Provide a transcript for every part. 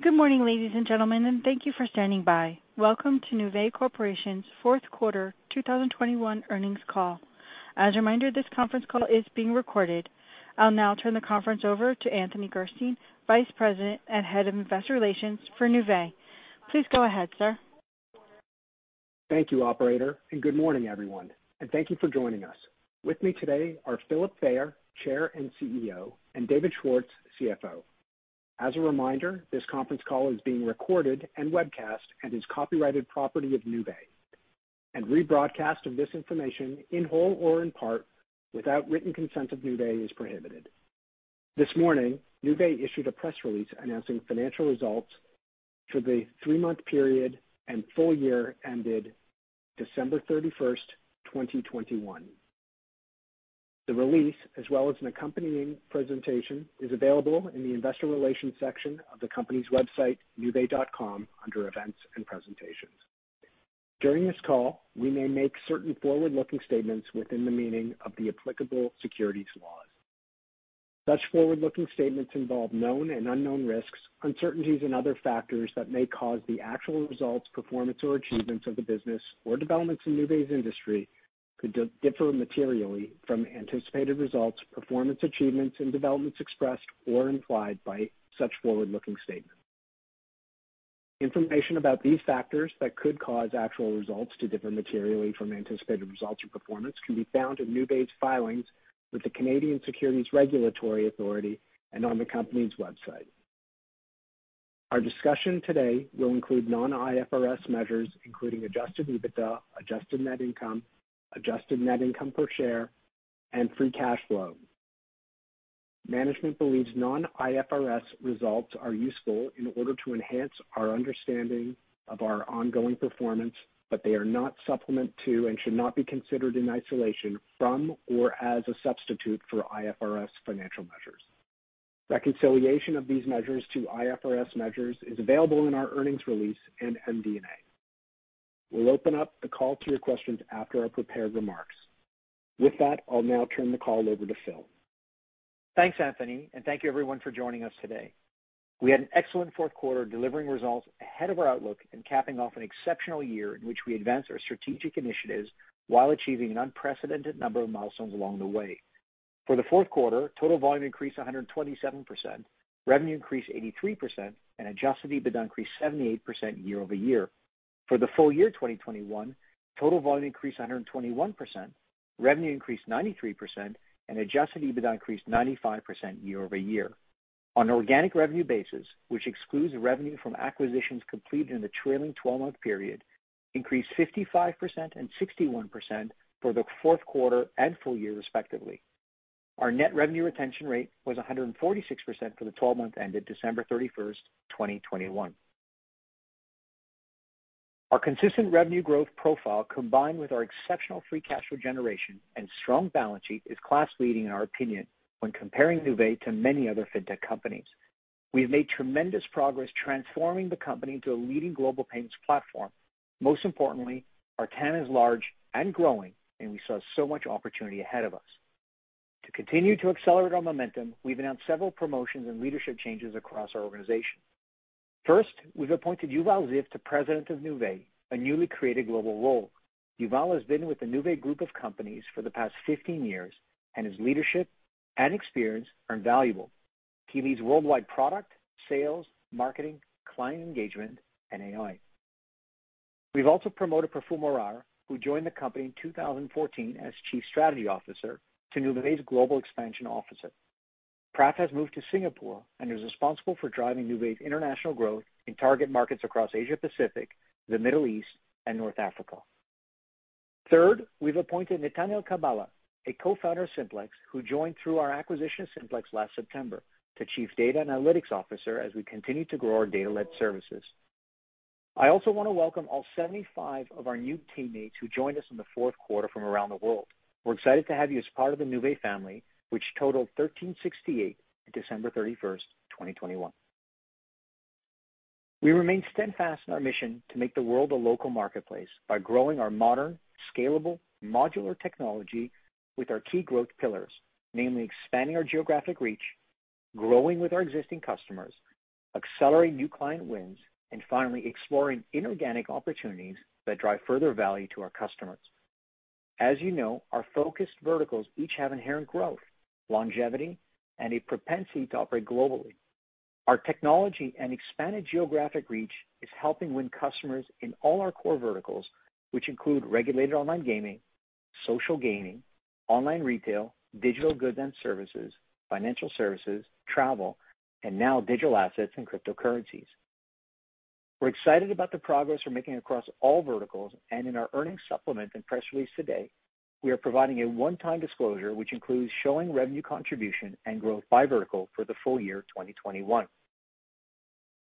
Good morning, ladies and gentlemen, and thank you for standing by. Welcome to Nuvei Corporation's Fourth Quarter 2021 Earnings Call. As a reminder, this conference call is being recorded. I'll now turn the conference over to Anthony Gerstein, Vice President and Head of Investor Relations for Nuvei. Please go ahead, sir. Thank you, operator, and good morning, everyone, and thank you for joining us. With me today are Philip Fayer, Chair and CEO, and David Schwartz, CFO. As a reminder, this conference call is being recorded and webcast and is copyrighted property of Nuvei, and rebroadcast of this information in whole or in part without written consent of Nuvei is prohibited. This morning, Nuvei issued a press release announcing financial results for the three-month period and full year ended December 31st, 2021. The release, as well as an accompanying presentation, is available in the investor relations section of the company's website, nuvei.com, under Events and Presentations. During this call, we may make certain forward-looking statements within the meaning of the applicable securities laws. Such forward-looking statements involve known and unknown risks, uncertainties, and other factors that may cause the actual results, performance, or achievements of the business or developments in Nuvei's industry to differ materially from anticipated results, performance, achievements, and developments expressed or implied by such forward-looking statements. Information about these factors that could cause actual results to differ materially from anticipated results or performance can be found in Nuvei's filings with the Canadian Securities Regulatory Authorities and on the company's website. Our discussion today will include non-IFRS measures, including adjusted EBITDA, adjusted net income, adjusted net income per share, and free cash flow. Management believes non-IFRS results are useful in order to enhance our understanding of our ongoing performance, but they are not a supplement to and should not be considered in isolation from or as a substitute for IFRS financial measures. Reconciliation of these measures to IFRS measures is available in our earnings release and MD&A. We'll open up the call to your questions after our prepared remarks. With that, I'll now turn the call over to Phil. Thanks, Anthony, and thank you everyone for joining us today. We had an excellent fourth quarter, delivering results ahead of our outlook and capping off an exceptional year in which we advanced our strategic initiatives while achieving an unprecedented number of milestones along the way. For the fourth quarter, total volume increased 127%, revenue increased 83%, and adjusted EBITDA increased 78% year-over-year. For the full year 2021, total volume increased 121%, revenue increased 93%, and adjusted EBITDA increased 95% year-over-year. On organic revenue basis, which excludes revenue from acquisitions completed in the trailing 12-month period, increased 55% and 61% for the fourth quarter and full year respectively. Our net revenue retention rate was 146% for the 12 months ended December 31st, 2021. Our consistent revenue growth profile, combined with our exceptional free cash flow generation and strong balance sheet, is class leading in our opinion when comparing Nuvei to many other fintech companies. We've made tremendous progress transforming the company into a leading global payments platform. Most importantly, our TAM is large and growing, and we saw so much opportunity ahead of us. To continue to accelerate our momentum, we've announced several promotions and leadership changes across our organization. First, we've appointed Yuval Ziv to President of Nuvei, a newly created global role. Yuval has been with the Nuvei group of companies for the past 15 years, and his leadership and experience are invaluable. He leads worldwide product, sales, marketing, client engagement, and AI. We've also promoted Praful Morar, who joined the company in 2014 as Chief Strategy Officer to Nuvei's Global Expansion Officer. Praful has moved to Singapore and is responsible for driving Nuvei's international growth in target markets across Asia Pacific, the Middle East, and North Africa. Third, we've appointed Netanel Kabala, a Co-founder of Simplex, who joined through our acquisition of Simplex last September, to Chief Data and Analytics Officer as we continue to grow our data-led services. I also wanna welcome all 75 of our new teammates who joined us in the fourth quarter from around the world. We're excited to have you as part of the Nuvei family, which totaled 1,368 at December 31st, 2021. We remain steadfast in our mission to make the world a local marketplace by growing our modern, scalable, modular technology with our key growth pillars, namely expanding our geographic reach, growing with our existing customers, accelerating new client wins, and finally, exploring inorganic opportunities that drive further value to our customers. As you know, our focused verticals each have inherent growth, longevity, and a propensity to operate globally. Our technology and expanded geographic reach is helping win customers in all our core verticals, which include regulated online gaming, social gaming, online retail, digital goods and services, financial services, travel, and now digital assets and cryptocurrencies. We're excited about the progress we're making across all verticals. In our earnings supplement and press release today, we are providing a one-time disclosure which includes showing revenue contribution and growth by vertical for the full year 2021.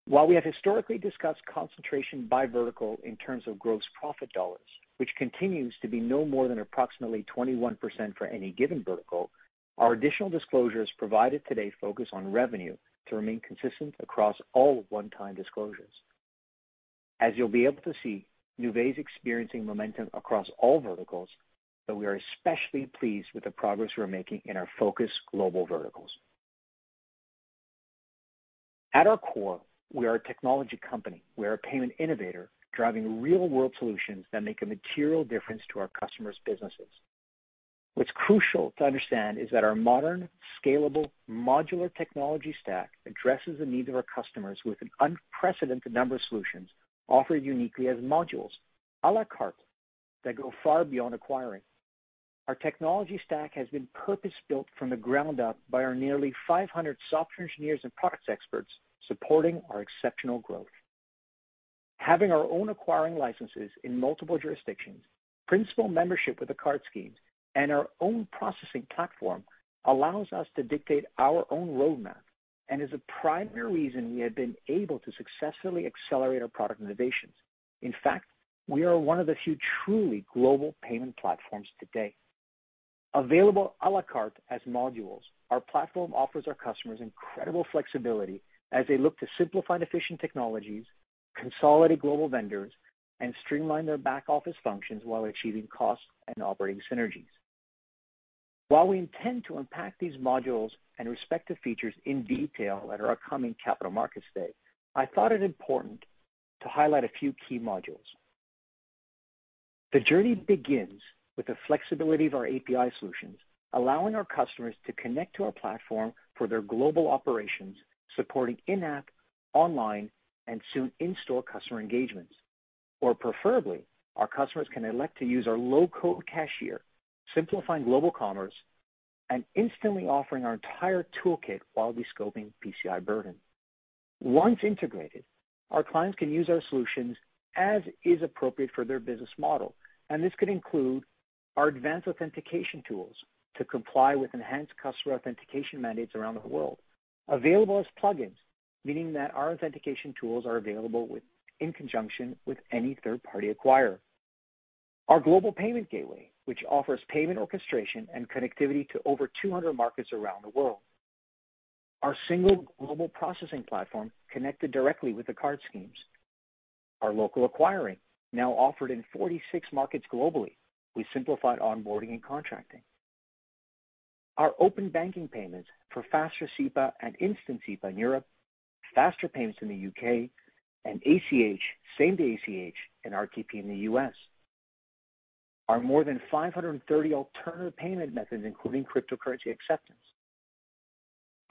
While we have historically discussed concentration by vertical in terms of gross profit dollars, which continues to be no more than approximately 21% for any given vertical, our additional disclosures provided today focus on revenue to remain consistent across all one-time disclosures. As you'll be able to see, Nuvei is experiencing momentum across all verticals, but we are especially pleased with the progress we're making in our focus global verticals. At our core, we are a technology company. We are a payment innovator, driving real-world solutions that make a material difference to our customers' businesses. What's crucial to understand is that our modern, scalable, modular technology stack addresses the needs of our customers with an unprecedented number of solutions offered uniquely as modules, a la carte, that go far beyond acquiring. Our technology stack has been purpose-built from the ground up by our nearly 500 software engineers and product experts supporting our exceptional growth. Having our own acquiring licenses in multiple jurisdictions, principal membership with the card schemes, and our own processing platform allows us to dictate our own roadmap and is a primary reason we have been able to successfully accelerate our product innovations. In fact, we are one of the few truly global payment platforms today. Available a la carte as modules, our platform offers our customers incredible flexibility as they look to simplify efficient technologies, consolidate global vendors, and streamline their back-office functions while achieving cost and operating synergies. While we intend to unpack these modules and respective features in detail at our upcoming Capital Markets Day, I thought it important to highlight a few key modules. The journey begins with the flexibility of our API solutions, allowing our customers to connect to our platform for their global operations, supporting in-app, online, and soon in-store customer engagements. Preferably, our customers can elect to use our low-code cashier, simplifying global commerce and instantly offering our entire toolkit while rescoping PCI burden. Once integrated, our clients can use our solutions as is appropriate for their business model, and this could include our advanced authentication tools to comply with enhanced customer authentication mandates around the world. Available as plugins, meaning that our authentication tools are available in conjunction with any third-party acquirer. Our global payment gateway, which offers payment orchestration and connectivity to over 200 markets around the world. Our single global processing platform connected directly with the card schemes. Our local acquiring, now offered in 46 markets globally with simplified onboarding and contracting. Our open banking payments for faster SEPA and instant SEPA in Europe, faster payments in the U.K., and ACH, same-day ACH in RTP in the U.S. Our more than 530 alternative payment methods, including cryptocurrency acceptance.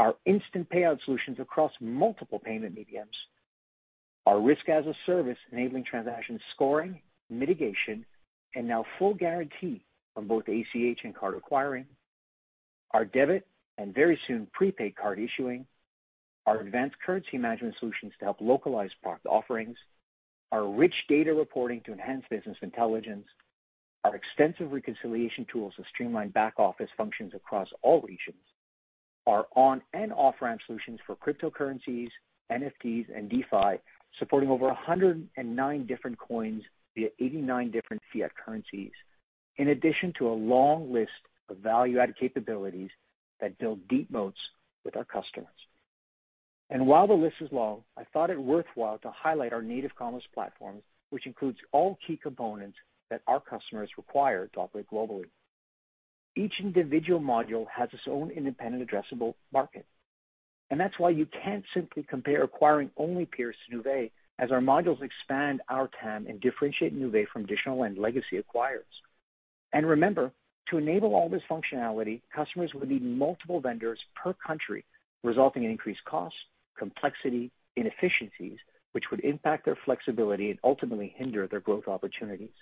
Our instant payout solutions across multiple payment mediums. Our risk-as-a-service enabling transaction scoring, mitigation, and now full guarantee on both ACH and card acquiring. Our debit, and very soon, prepaid card issuing. Our advanced currency management solutions to help localize product offerings. Our rich data reporting to enhance business intelligence. Our extensive reconciliation tools to streamline back-office functions across all regions. Our on- and off-ramp solutions for cryptocurrencies, NFTs, and DeFi, supporting over 109 different coins via 89 different fiat currencies, in addition to a long list of value-added capabilities that build deep moats with our customers. While the list is long, I thought it worthwhile to highlight our native commerce platform, which includes all key components that our customers require to operate globally. Each individual module has its own independent addressable market, and that's why you can't simply compare acquiring-only peers to Nuvei as our modules expand our TAM and differentiate Nuvei from traditional and legacy acquirers. Remember, to enable all this functionality, customers would need multiple vendors per country, resulting in increased costs, complexity, inefficiencies, which would impact their flexibility and ultimately hinder their growth opportunities.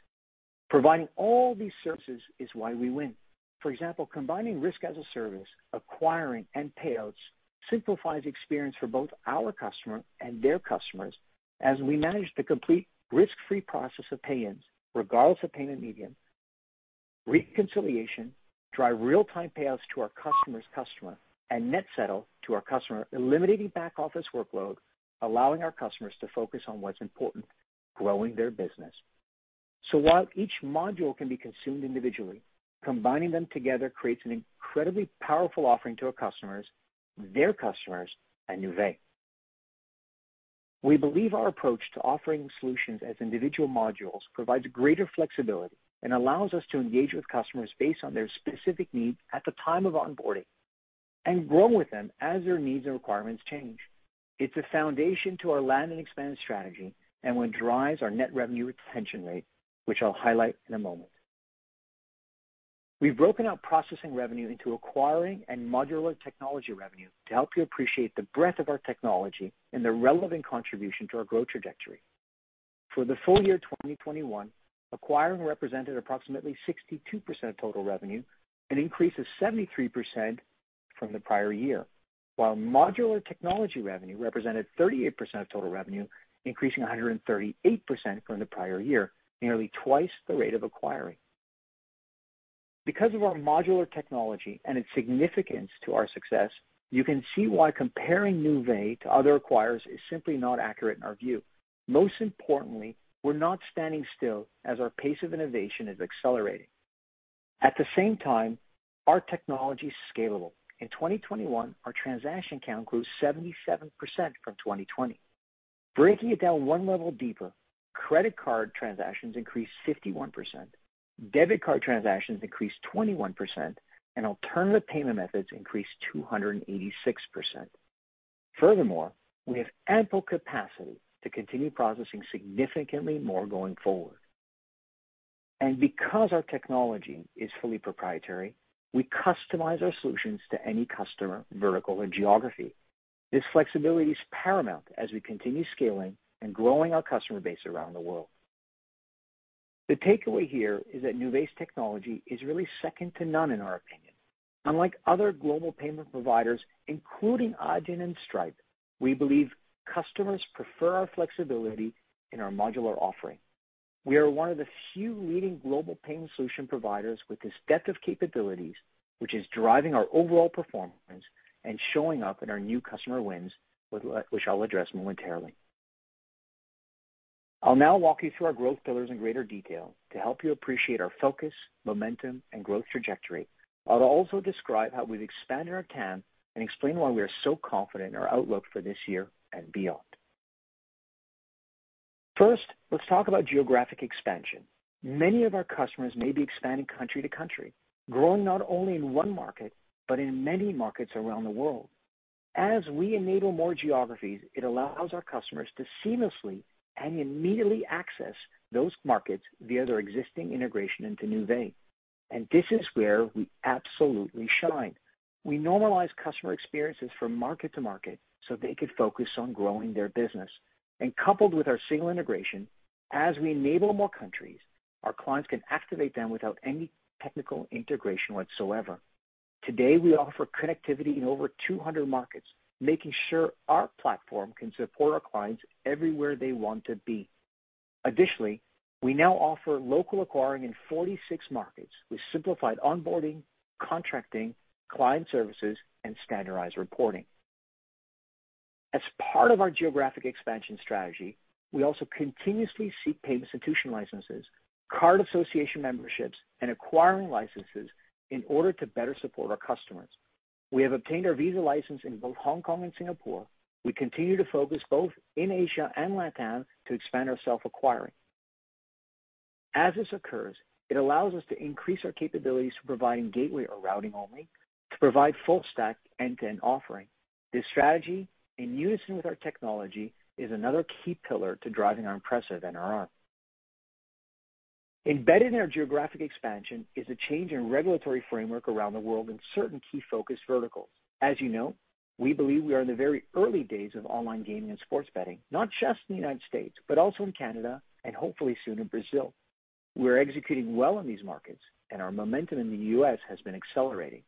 Providing all these services is why we win. For example, combining risk as a service, acquiring, and payouts simplifies experience for both our customer and their customers as we manage the complete risk-free process of pay-ins, regardless of payment medium, reconciliation, drive real-time payouts to our customer's customer, and net settle to our customer, eliminating back-office workload, allowing our customers to focus on what's important, growing their business. While each module can be consumed individually, combining them together creates an incredibly powerful offering to our customers, their customers, and Nuvei. We believe our approach to offering solutions as individual modules provides greater flexibility and allows us to engage with customers based on their specific needs at the time of onboarding and grow with them as their needs and requirements change. It's a foundation to our land and expand strategy and what drives our net revenue retention rate, which I'll highlight in a moment. We've broken out processing revenue into acquiring and modular technology revenue to help you appreciate the breadth of our technology and the relevant contribution to our growth trajectory. For the full year 2021, acquiring represented approximately 62% of total revenue, an increase of 73% from the prior year. While modular technology revenue represented 38% of total revenue, increasing 138% from the prior year, nearly twice the rate of acquiring. Because of our modular technology and its significance to our success, you can see why comparing Nuvei to other acquirers is simply not accurate in our view. Most importantly, we're not standing still as our pace of innovation is accelerating. At the same time, our technology is scalable. In 2021, our transaction count grew 77% from 2020. Breaking it down one level deeper, credit card transactions increased 51%, debit card transactions increased 21%, and alternative payment methods increased 286%. Furthermore, we have ample capacity to continue processing significantly more going forward. Because our technology is fully proprietary, we customize our solutions to any customer, vertical, or geography. This flexibility is paramount as we continue scaling and growing our customer base around the world. The takeaway here is that Nuvei's technology is really second to none, in our opinion. Unlike other global payment providers, including Adyen and Stripe, we believe customers prefer our flexibility in our modular offering. We are one of the few leading global payment solution providers with this depth of capabilities, which is driving our overall performance and showing up in our new customer wins, which I'll address momentarily. I'll now walk you through our growth pillars in greater detail to help you appreciate our focus, momentum, and growth trajectory. I'll also describe how we've expanded our TAM and explain why we are so confident in our outlook for this year and beyond. First, let's talk about geographic expansion. Many of our customers may be expanding country to country, growing not only in one market but in many markets around the world. As we enable more geographies, it allows our customers to seamlessly and immediately access those markets via their existing integration into Nuvei. This is where we absolutely shine. We normalize customer experiences from market to market so they could focus on growing their business. Coupled with our single integration, as we enable more countries, our clients can activate them without any technical integration whatsoever. Today, we offer connectivity in over 200 markets, making sure our platform can support our clients everywhere they want to be. Additionally, we now offer local acquiring in 46 markets with simplified onboarding, contracting, client services, and standardized reporting. As part of our geographic expansion strategy, we also continuously seek payment institution licenses, card association memberships, and acquiring licenses in order to better support our customers. We have obtained our Visa license in both Hong Kong and Singapore. We continue to focus both in Asia and LatAm to expand our self-acquiring. As this occurs, it allows us to increase our capabilities for providing gateway or routing only to provide full stack end-to-end offering. This strategy, in unison with our technology, is another key pillar to driving our impressive NRR. Embedded in our geographic expansion is a change in regulatory framework around the world in certain key focus verticals. As you know, we believe we are in the very early days of online gaming and sports betting, not just in the United States, but also in Canada and hopefully soon in Brazil. We're executing well in these markets, and our momentum in the U.S. has been accelerating.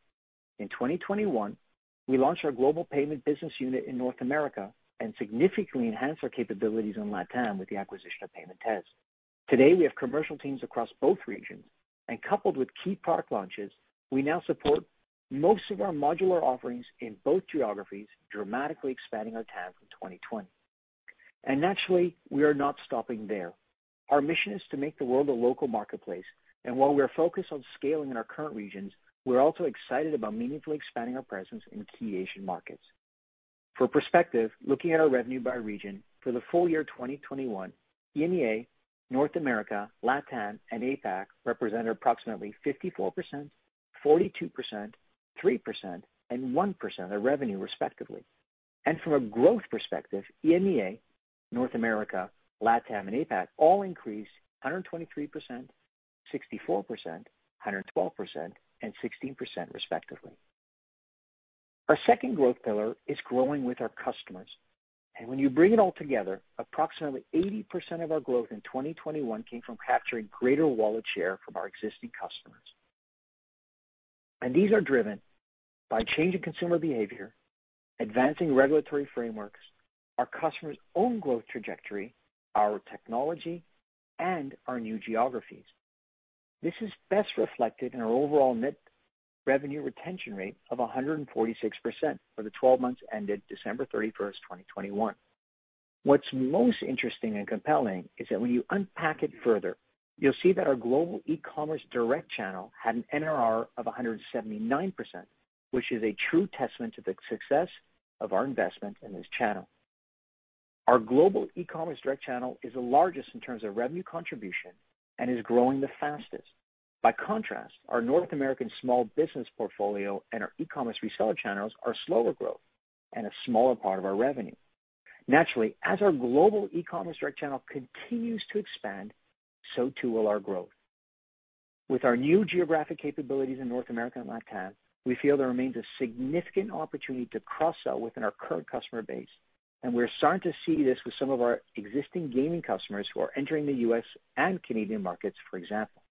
In 2021, we launched our global payment business unit in North America and significantly enhanced our capabilities in LatAm with the acquisition of Paymentez. Today, we have commercial teams across both regions, and coupled with key product launches, we now support most of our modular offerings in both geographies, dramatically expanding our TAM from 2020. Naturally, we are not stopping there. Our mission is to make the world a local marketplace. While we are focused on scaling in our current regions, we're also excited about meaningfully expanding our presence in key Asian markets. For perspective, looking at our revenue by region for the full year 2021, EMEA, North America, LatAm, and APAC represented approximately 54%, 42%, 3%, and 1% of revenue, respectively. From a growth perspective, EMEA, North America, LatAm, and APAC all increased 123%, 64%, 112%, and 16%, respectively. Our second growth pillar is growing with our customers. When you bring it all together, approximately 80% of our growth in 2021 came from capturing greater wallet share from our existing customers. These are driven by changing consumer behavior, advancing regulatory frameworks, our customers' own growth trajectory, our technology, and our new geographies. This is best reflected in our overall net revenue retention rate of 146% for the twelve months ended December 31st, 2021. What's most interesting and compelling is that when you unpack it further, you'll see that our global e-commerce direct channel had an NRR of 179%, which is a true testament to the success of our investment in this channel. Our global e-commerce direct channel is the largest in terms of revenue contribution and is growing the fastest. By contrast, our North American small business portfolio and our e-commerce reseller channels are slower growth and a smaller part of our revenue. Naturally, as our global e-commerce direct channel continues to expand, so too will our growth. With our new geographic capabilities in North America and LatAm, we feel there remains a significant opportunity to cross-sell within our current customer base, and we're starting to see this with some of our existing gaming customers who are entering the U.S. and Canadian markets, for example.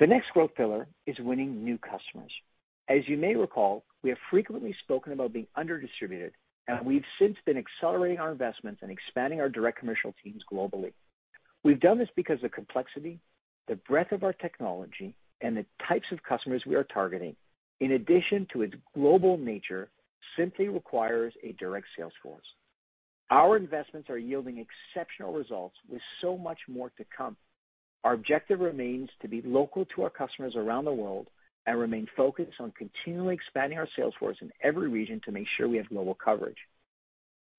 The next growth pillar is winning new customers. As you may recall, we have frequently spoken about being under-distributed, and we've since been accelerating our investments and expanding our direct commercial teams globally. We've done this because the complexity, the breadth of our technology, and the types of customers we are targeting, in addition to its global nature, simply requires a direct sales force. Our investments are yielding exceptional results with so much more to come. Our objective remains to be local to our customers around the world and remain focused on continually expanding our sales force in every region to make sure we have global coverage.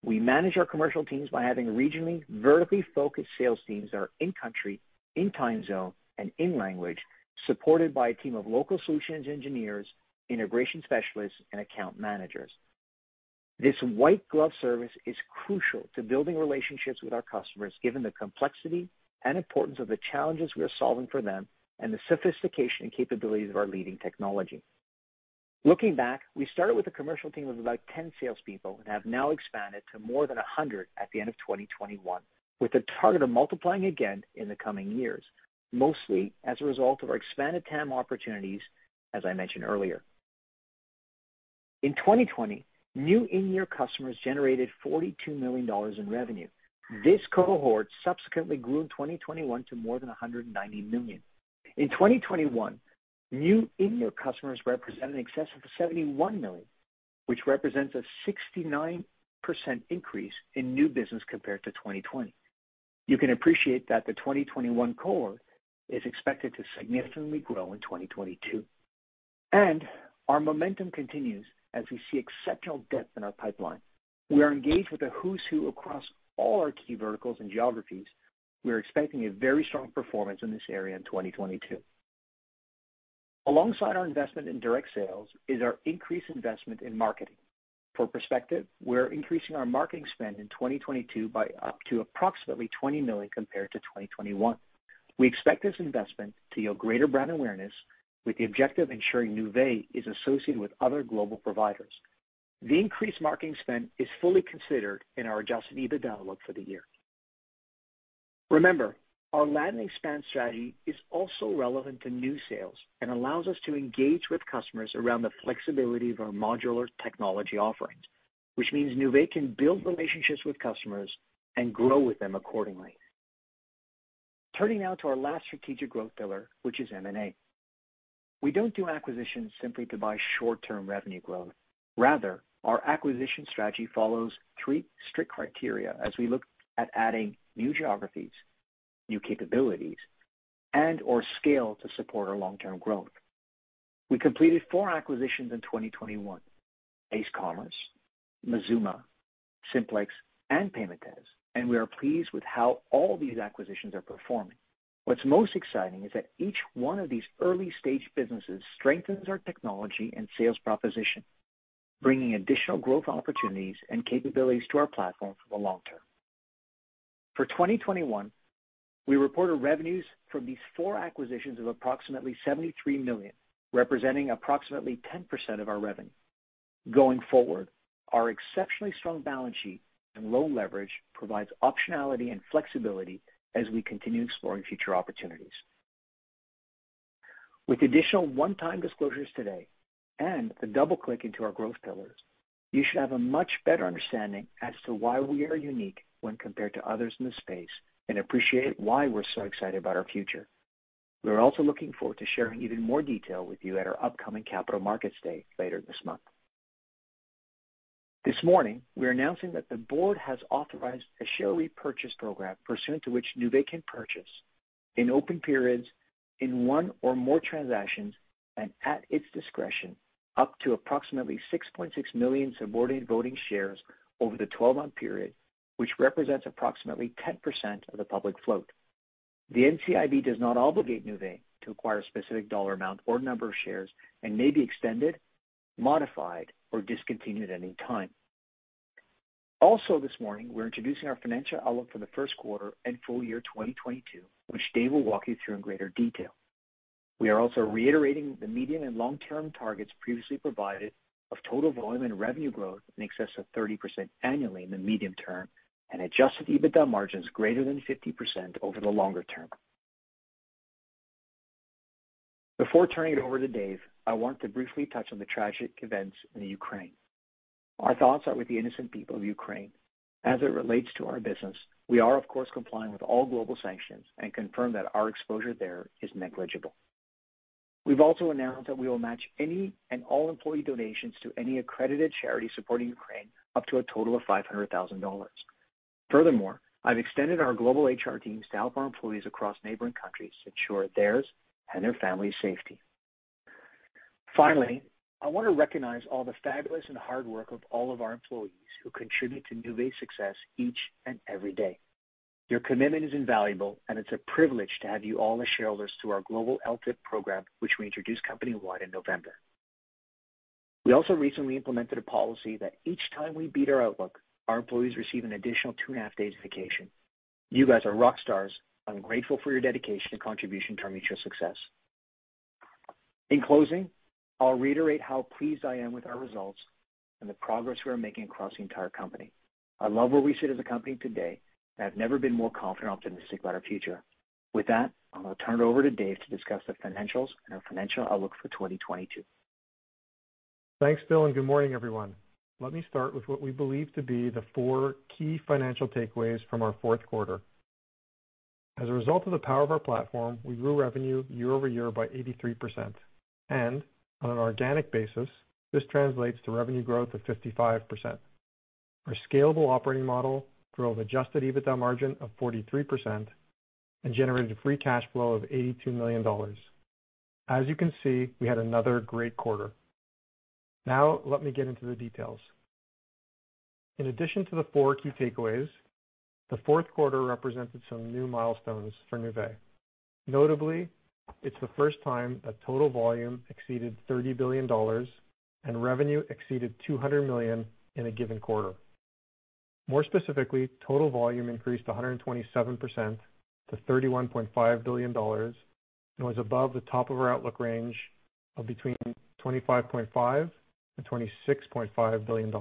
We manage our commercial teams by having regionally vertically focused sales teams that are in country, in time zone, and in language, supported by a team of local solutions engineers, integration specialists, and account managers. This white glove service is crucial to building relationships with our customers, given the complexity and importance of the challenges we are solving for them, and the sophistication and capabilities of our leading technology. Looking back, we started with a commercial team of about 10 salespeople and have now expanded to more than 100 at the end of 2021, with a target of multiplying again in the coming years, mostly as a result of our expanded TAM opportunities, as I mentioned earlier. In 2020, new in-year customers generated $42 million in revenue. This cohort subsequently grew in 2021 to more than $190 million. In 2021, new in-year customers represent an excess of $71 million, which represents a 69% increase in new business compared to 2020. You can appreciate that the 2021 cohort is expected to significantly grow in 2022. Our momentum continues as we see exceptional depth in our pipeline. We are engaged with a who's who across all our key verticals and geographies. We are expecting a very strong performance in this area in 2022. Alongside our investment in direct sales is our increased investment in marketing. For perspective, we're increasing our marketing spend in 2022 by up to approximately $20 million compared to 2021. We expect this investment to yield greater brand awareness with the objective ensuring Nuvei is associated with other global providers. The increased marketing spend is fully considered in our adjusted EBITDA outlook for the year. Remember, our land and expand strategy is also relevant to new sales and allows us to engage with customers around the flexibility of our modular technology offerings, which means Nuvei can build relationships with customers and grow with them accordingly. Turning now to our last strategic growth pillar, which is M&A. We don't do acquisitions simply to buy short-term revenue growth. Rather, our acquisition strategy follows three strict criteria as we look at adding new geographies, new capabilities, and/or scale to support our long-term growth. We completed four acquisitions in 2021, Base Commerce, Mazooma, Simplex, and Paymentez, and we are pleased with how all these acquisitions are performing. What's most exciting is that each one of these early-stage businesses strengthens our technology and sales proposition, bringing additional growth opportunities and capabilities to our platform for the long term. For 2021, we reported revenues from these four acquisitions of approximately $73 million, representing approximately 10% of our revenue. Going forward, our exceptionally strong balance sheet and low leverage provides optionality and flexibility as we continue exploring future opportunities. With additional one-time disclosures today and the double-click into our growth pillars, you should have a much better understanding as to why we are unique when compared to others in the space and appreciate why we're so excited about our future. We are also looking forward to sharing even more detail with you at our upcoming Capital Markets Day later this month. This morning, we're announcing that the board has authorized a share repurchase program pursuant to which Nuvei can purchase in open periods in one or more transactions and at its discretion, up to approximately 6.6 million subordinate voting shares over the 12-month period, which represents approximately 10% of the public float. The NCIB does not obligate Nuvei to acquire a specific dollar amount or number of shares and may be extended, modified, or discontinued at any time. Also this morning, we're introducing our financial outlook for the first quarter and full year 2022, which Dave will walk you through in greater detail. We are also reiterating the medium and long-term targets previously provided of total volume and revenue growth in excess of 30% annually in the medium term and adjusted EBITDA margins greater than 50% over the longer term. Before turning it over to Dave, I want to briefly touch on the tragic events in the Ukraine. Our thoughts are with the innocent people of Ukraine. As it relates to our business, we are of course complying with all global sanctions and confirm that our exposure there is negligible. We've also announced that we will match any and all employee donations to any accredited charity supporting Ukraine up to a total of $500,000. Furthermore, I've extended our global HR teams to help our employees across neighboring countries to ensure theirs and their families' safety. Finally, I want to recognize all the fabulous and hard work of all of our employees who contribute to Nuvei's success each and every day. Your commitment is invaluable, and it's a privilege to have you all as shareholders through our global LTIP program, which we introduced company-wide in November. We also recently implemented a policy that each time we beat our outlook, our employees receive an additional two and a half days of vacation. You guys are rock stars. I'm grateful for your dedication and contribution to our mutual success. In closing, I'll reiterate how pleased I am with our results and the progress we are making across the entire company. I love where we sit as a company today, and I've never been more confident or optimistic about our future. With that, I'm going to turn it over to Dave to discuss the financials and our financial outlook for 2022. Thanks, Phil, and good morning, everyone. Let me start with what we believe to be the four key financial takeaways from our fourth quarter. As a result of the power of our platform, we grew revenue year-over-year by 83%. And on an organic basis, this translates to revenue growth of 55%. Our scalable operating model drove adjusted EBITDA margin of 43% and generated free cash flow of $82 million. As you can see, we had another great quarter. Now let me get into the details. In addition to the four key takeaways, the fourth quarter represented some new milestones for Nuvei. Notably, it's the first time that total volume exceeded $30 billion and revenue exceeded $200 million in a given quarter. More specifically, total volume increased 127% to $31.5 billion and was above the top of our outlook range of between $25.5 billion and $26.5 billion.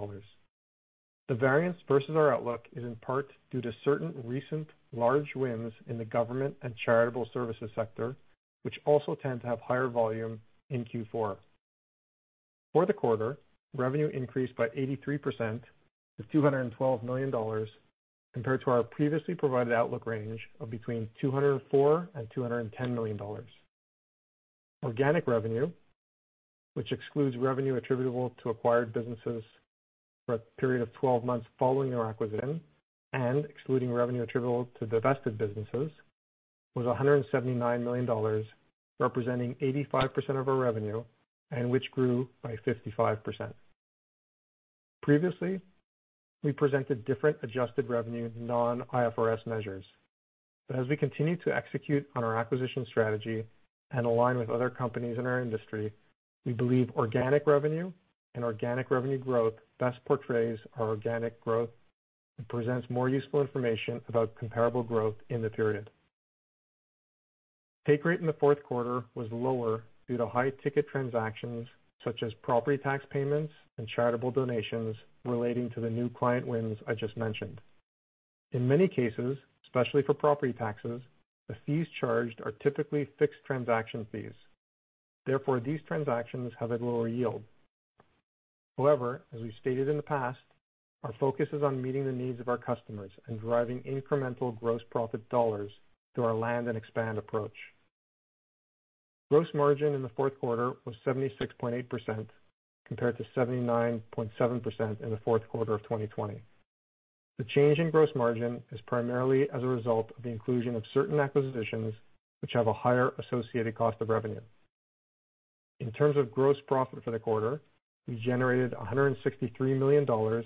The variance versus our outlook is in part due to certain recent large wins in the government and charitable services sector, which also tend to have higher volume in Q4. For the quarter, revenue increased by 83% to $212 million, compared to our previously provided outlook range of between $204 million and $210 million. Organic revenue, which excludes revenue attributable to acquired businesses for a period of 12 months following our acquisition and excluding revenue attributable to divested businesses, was $179 million, representing 85% of our revenue and which grew by 55%. Previously, we presented different adjusted revenue non-IFRS measures. As we continue to execute on our acquisition strategy and align with other companies in our industry, we believe organic revenue and organic revenue growth best portrays our organic growth and presents more useful information about comparable growth in the period. Take rate in the fourth quarter was lower due to high ticket transactions such as property tax payments and charitable donations relating to the new client wins I just mentioned. In many cases, especially for property taxes, the fees charged are typically fixed transaction fees. Therefore, these transactions have a lower yield. However, as we've stated in the past, our focus is on meeting the needs of our customers and driving incremental gross profit dollars through our land and expand approach. Gross margin in the fourth quarter was 76.8% compared to 79.7% in the fourth quarter of 2020. The change in gross margin is primarily as a result of the inclusion of certain acquisitions which have a higher associated cost of revenue. In terms of gross profit for the quarter, we generated $163 million,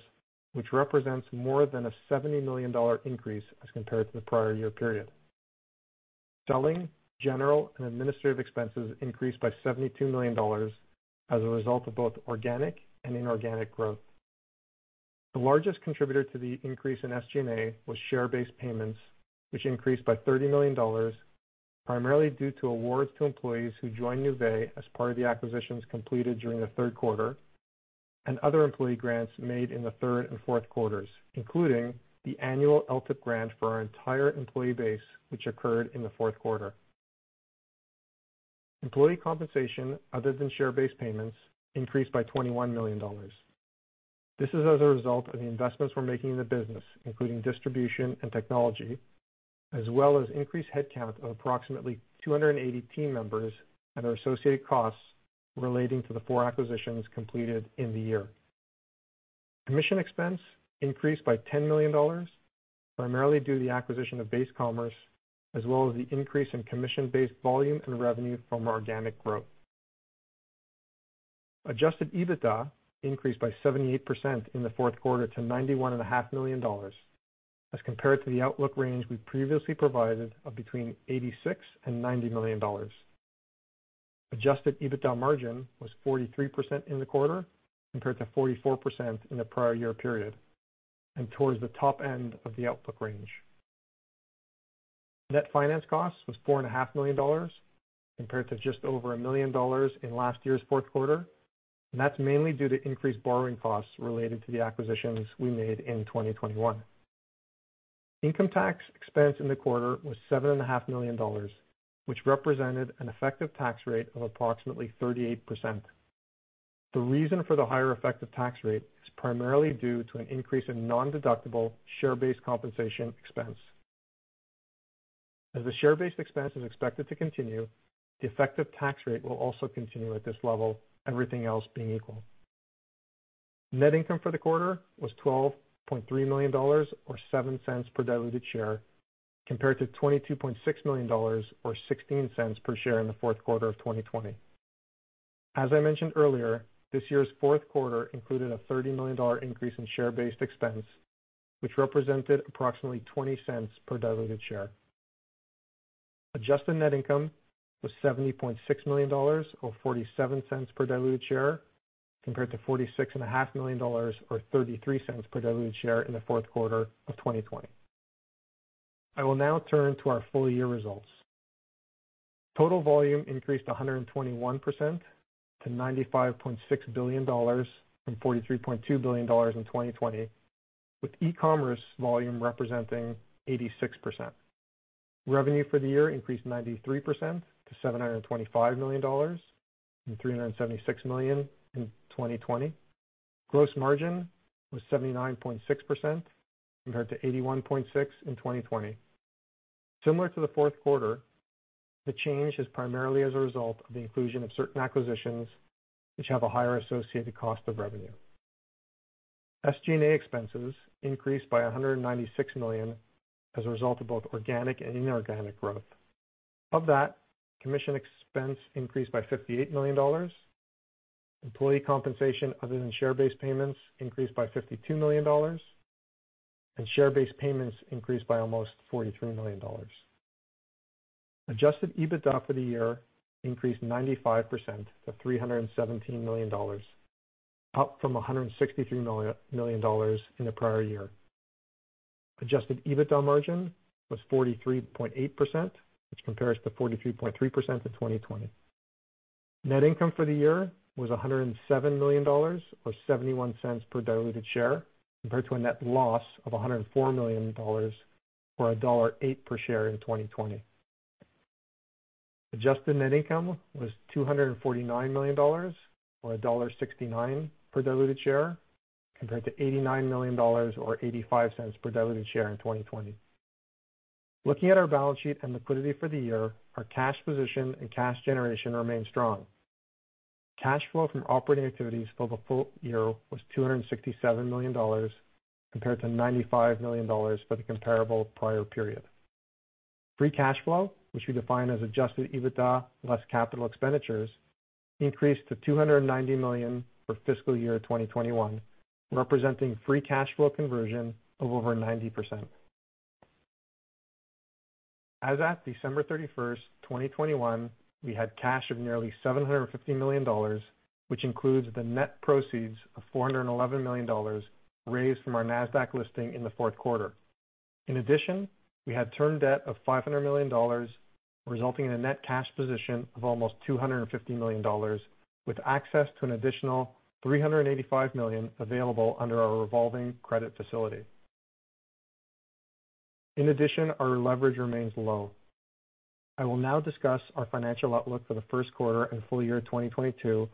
which represents more than a $70 million increase as compared to the prior year period. Selling, general, and administrative expenses increased by $72 million as a result of both organic and inorganic growth. The largest contributor to the increase in SG&A was share-based payments, which increased by $30 million, primarily due to awards to employees who joined Nuvei as part of the acquisitions completed during the third quarter and other employee grants made in the third and fourth quarters, including the annual LTIP grant for our entire employee base, which occurred in the fourth quarter. Employee compensation other than share-based payments increased by $21 million. This is as a result of the investments we're making in the business, including distribution and technology, as well as increased headcount of approximately 280 team members at our associated costs relating to the four acquisitions completed in the year. Commission expense increased by $10 million, primarily due to the acquisition of Base Commerce, as well as the increase in commission-based volume and revenue from organic growth. Adjusted EBITDA increased by 78% in the fourth quarter to $91.5 million as compared to the outlook range we previously provided of between $86 million and $90 million. Adjusted EBITDA margin was 43% in the quarter compared to 44% in the prior year period and towards the top end of the outlook range. Net finance cost was $4.5 million compared to just over $1 million in last year's fourth quarter, and that's mainly due to increased borrowing costs related to the acquisitions we made in 2021. Income tax expense in the quarter was $7.5 million, which represented an effective tax rate of approximately 38%. The reason for the higher effective tax rate is primarily due to an increase in nondeductible share-based compensation expense. As the share-based expense is expected to continue, the effective tax rate will also continue at this level, everything else being equal. Net income for the quarter was $12.3 million or $0.07 per diluted share, compared to $22.6 million or $0.16 per share in the fourth quarter of 2020. As I mentioned earlier, this year's fourth quarter included a $30 million increase in share-based expense, which represented approximately $0.20 per diluted share. Adjusted net income was $70.6 million or $0.47 per diluted share, compared to $46.5 million or $0.33 per diluted share in the fourth quarter of 2020. I will now turn to our full year results. Total volume increased 121% to $95.6 billion from $43.2 billion in 2020, with e-commerce volume representing 86%. Revenue for the year increased 93% to $725 million from $376 million in 2020. Gross margin was 79.6% compared to 81.6% in 2020. Similar to the fourth quarter, the change is primarily as a result of the inclusion of certain acquisitions which have a higher associated cost of revenue. SG&A expenses increased by $196 million as a result of both organic and inorganic growth. Of that, commission expense increased by $58 million. Employee compensation other than share-based payments increased by $52 million, and share-based payments increased by almost $43 million. Adjusted EBITDA for the year increased 95% to $317 million, up from $163 million in the prior year. Adjusted EBITDA margin was 43.8%, which compares to 43.3% in 2020. Net income for the year was $107 million, or $0.71 per diluted share, compared to a net loss of $104 million or $1.08 per share in 2020. Adjusted net income was $249 million or $1.69 per diluted share, compared to $89 million or $0.85 per diluted share in 2020. Looking at our balance sheet and liquidity for the year, our cash position and cash generation remain strong. Cash flow from operating activities for the full year was $267 million, compared to $95 million for the comparable prior period. Free cash flow, which we define as adjusted EBITDA less capital expenditures, increased to $290 million for fiscal year 2021, representing free cash flow conversion of over 90%. As at December 31st, 2021, we had cash of nearly $750 million, which includes the net proceeds of $411 million raised from our Nasdaq listing in the fourth quarter. In addition, we had term debt of $500 million, resulting in a net cash position of almost $250 million, with access to an additional $385 million available under our revolving credit facility. In addition, our leverage remains low. I will now discuss our financial outlook for the first quarter and full year 2022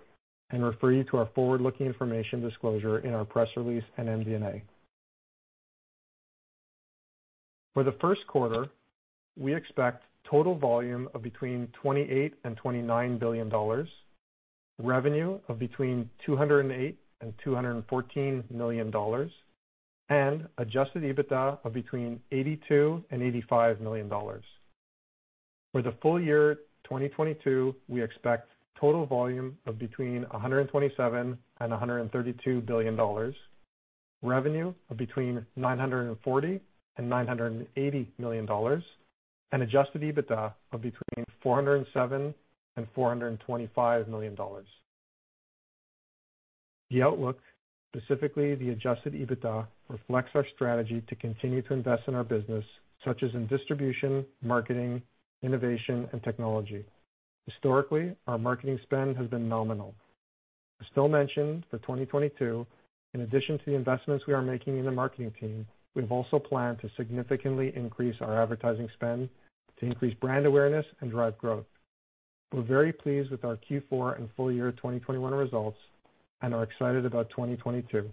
and refer you to our forward-looking information disclosure in our press release and MD&A. For the first quarter, we expect total volume of between $28 billion and $29 billion, revenue of between $208 million and $214 million, and adjusted EBITDA of between $82 million and $85 million. For the full year 2022, we expect total volume of between $127 billion and $132 billion, revenue of between $940 million and $980 million, and adjusted EBITDA of between $407 million and $425 million. The outlook, specifically the adjusted EBITDA, reflects our strategy to continue to invest in our business, such as in distribution, marketing, innovation, and technology. Historically, our marketing spend has been nominal. As Phil mentioned, for 2022, in addition to the investments we are making in the marketing team, we've also planned to significantly increase our advertising spend to increase brand awareness and drive growth. We're very pleased with our Q4 and full year 2021 results and are excited about 2022.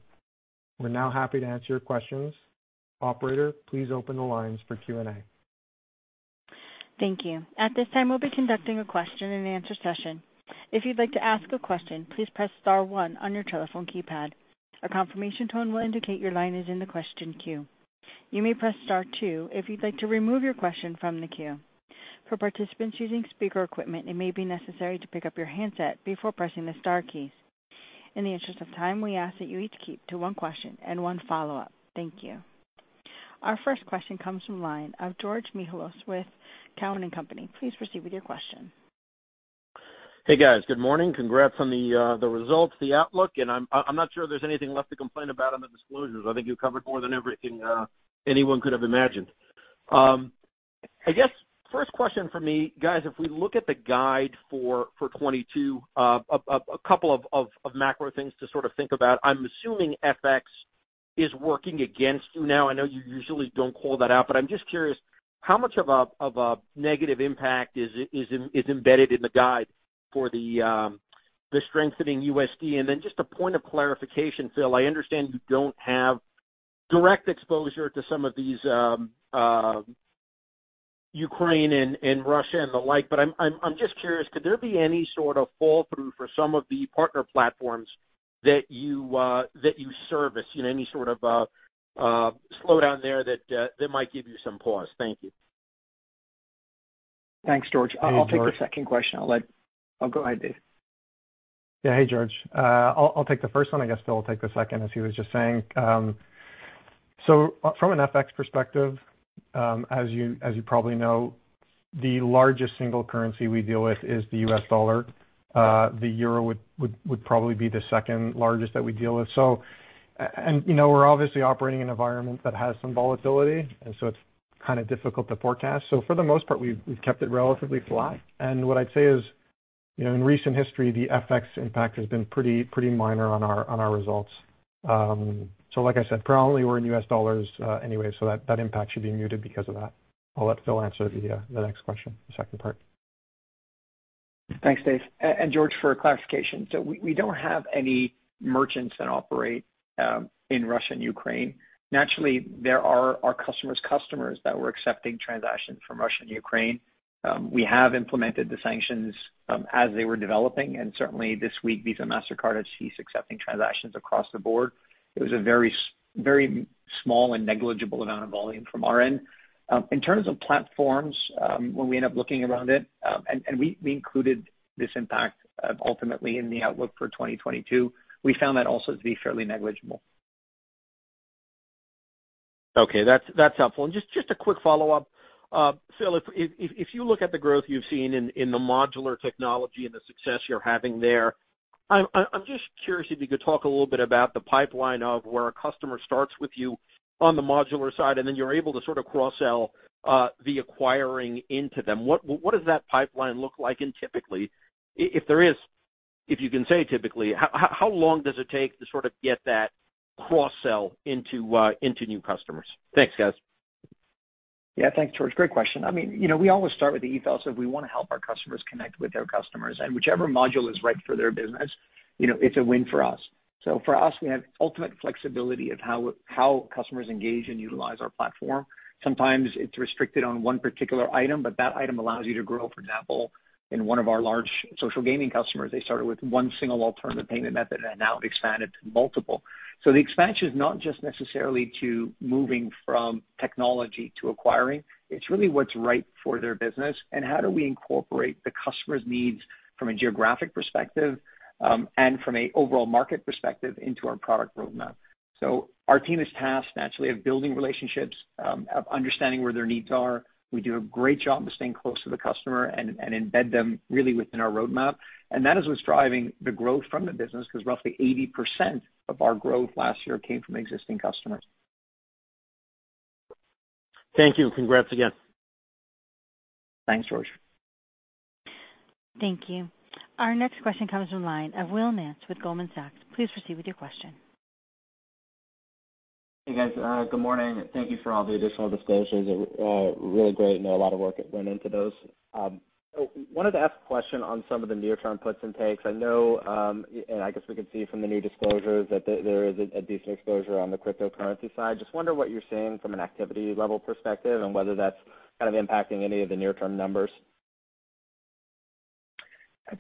We're now happy to answer your questions. Operator, please open the lines for Q&A. Thank you. At this time, we'll be conducting a question-and-answer session. If you'd like to ask a question, please press star one on your telephone keypad. A confirmation tone will indicate your line is in the question queue. You may press star two if you'd like to remove your question from the queue. For participants using speaker equipment, it may be necessary to pick up your handset before pressing the star keys. In the interest of time, we ask that you each keep to one question and one follow-up. Thank you. Our first question comes from line of George Mihalos with Cowen and Company. Please proceed with your question. Hey, guys. Good morning. Congrats on the results, the outlook, and I'm not sure if there's anything left to complain about on the disclosures. I think you covered more than everything anyone could have imagined. I guess first question from me, guys, if we look at the guide for 2022, a couple of macro things to sort of think about. I'm assuming FX is working against you now. I know you usually don't call that out, but I'm just curious how much of a negative impact is embedded in the guide for the strengthening USD? Just a point of clarification, Phil. I understand you don't have direct exposure to some of these, Ukraine and Russia and the like, but I'm just curious, could there be any sort of fallout for some of the partner platforms that you service? You know, any sort of slowdown there that might give you some pause? Thank you. Thanks, George. Hey, George. I'll take the second question. Go ahead, Dave. Hey, George. I'll take the first one. I guess Phil will take the second, as he was just saying. From an FX perspective, as you probably know, the largest single currency we deal with is the U.S. dollar. The euro would probably be the second largest that we deal with. And you know, we're obviously operating in an environment that has some volatility, and so it's kinda difficult to forecast. For the most part, we've kept it relatively flat. What I'd say is, you know, in recent history, the FX impact has been pretty minor on our results. Like I said, primarily we're in U.S. dollars, anyway, that impact should be muted because of that. I'll let Phil answer the next question, the second part. Thanks, Dave. George, for clarification, we don't have any merchants that operate in Russia and Ukraine. Naturally, there are our customers' customers that were accepting transactions from Russia and Ukraine. We have implemented the sanctions as they were developing, and certainly this week, Visa, Mastercard have ceased accepting transactions across the board. It was a very small and negligible amount of volume from our end. In terms of platforms, when we end up looking around it, and we included this impact ultimately in the outlook for 2022, we found that also to be fairly negligible. Okay, that's helpful. Just a quick follow-up. Phil, if you look at the growth you've seen in the modular technology and the success you're having there, I'm just curious if you could talk a little bit about the pipeline of where a customer starts with you on the modular side, and then you're able to sort of cross-sell the acquiring into them. What does that pipeline look like? And typically, if you can say typically, how long does it take to sort of get that cross-sell into new customers? Thanks, guys. Yeah. Thanks, George. Great question. I mean, you know, we always start with the ethos of we wanna help our customers connect with their customers. Whichever module is right for their business, you know, it's a win for us. For us, we have ultimate flexibility of how customers engage and utilize our platform. Sometimes it's restricted on one particular item, but that item allows you to grow. For example, in one of our large social gaming customers, they started with one single alternative payment method, and now expanded to multiple. The expansion is not just necessarily to moving from technology to acquiring, it's really what's right for their business, and how do we incorporate the customer's needs from a geographic perspective, and from an overall market perspective into our product roadmap. Our team is tasked naturally of building relationships, of understanding where their needs are. We do a great job of staying close to the customer and embed them really within our roadmap. That is what's driving the growth from the business, 'cause roughly 80% of our growth last year came from existing customers. Thank you. Congrats again. Thanks, George. Thank you. Our next question comes from the line of Will Nance with Goldman Sachs. Please proceed with your question. Hey, guys. Good morning, and thank you for all the additional disclosures. They're really great, and a lot of work went into those. Wanted to ask a question on some of the near-term puts and takes. I know, and I guess we can see from the new disclosures that there is a decent exposure on the cryptocurrency side. Just wonder what you're seeing from an activity level perspective and whether that's kind of impacting any of the near-term numbers.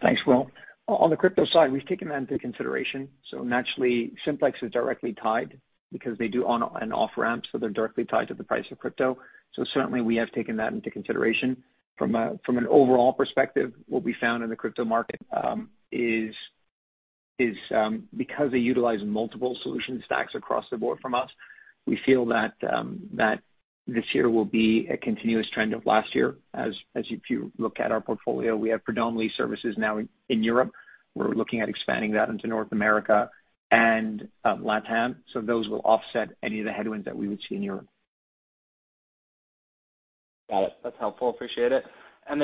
Thanks, Will. On the crypto side, we've taken that into consideration. Naturally, Simplex is directly tied because they do on and off ramps, so they're directly tied to the price of crypto. Certainly we have taken that into consideration. From an overall perspective, what we found in the crypto market is because they utilize multiple solution stacks across the board from us, we feel that this year will be a continuous trend of last year. If you look at our portfolio, we have predominantly services now in Europe. We're looking at expanding that into North America and LatAm. Those will offset any of the headwinds that we would see in Europe. Got it. That's helpful. Appreciate it.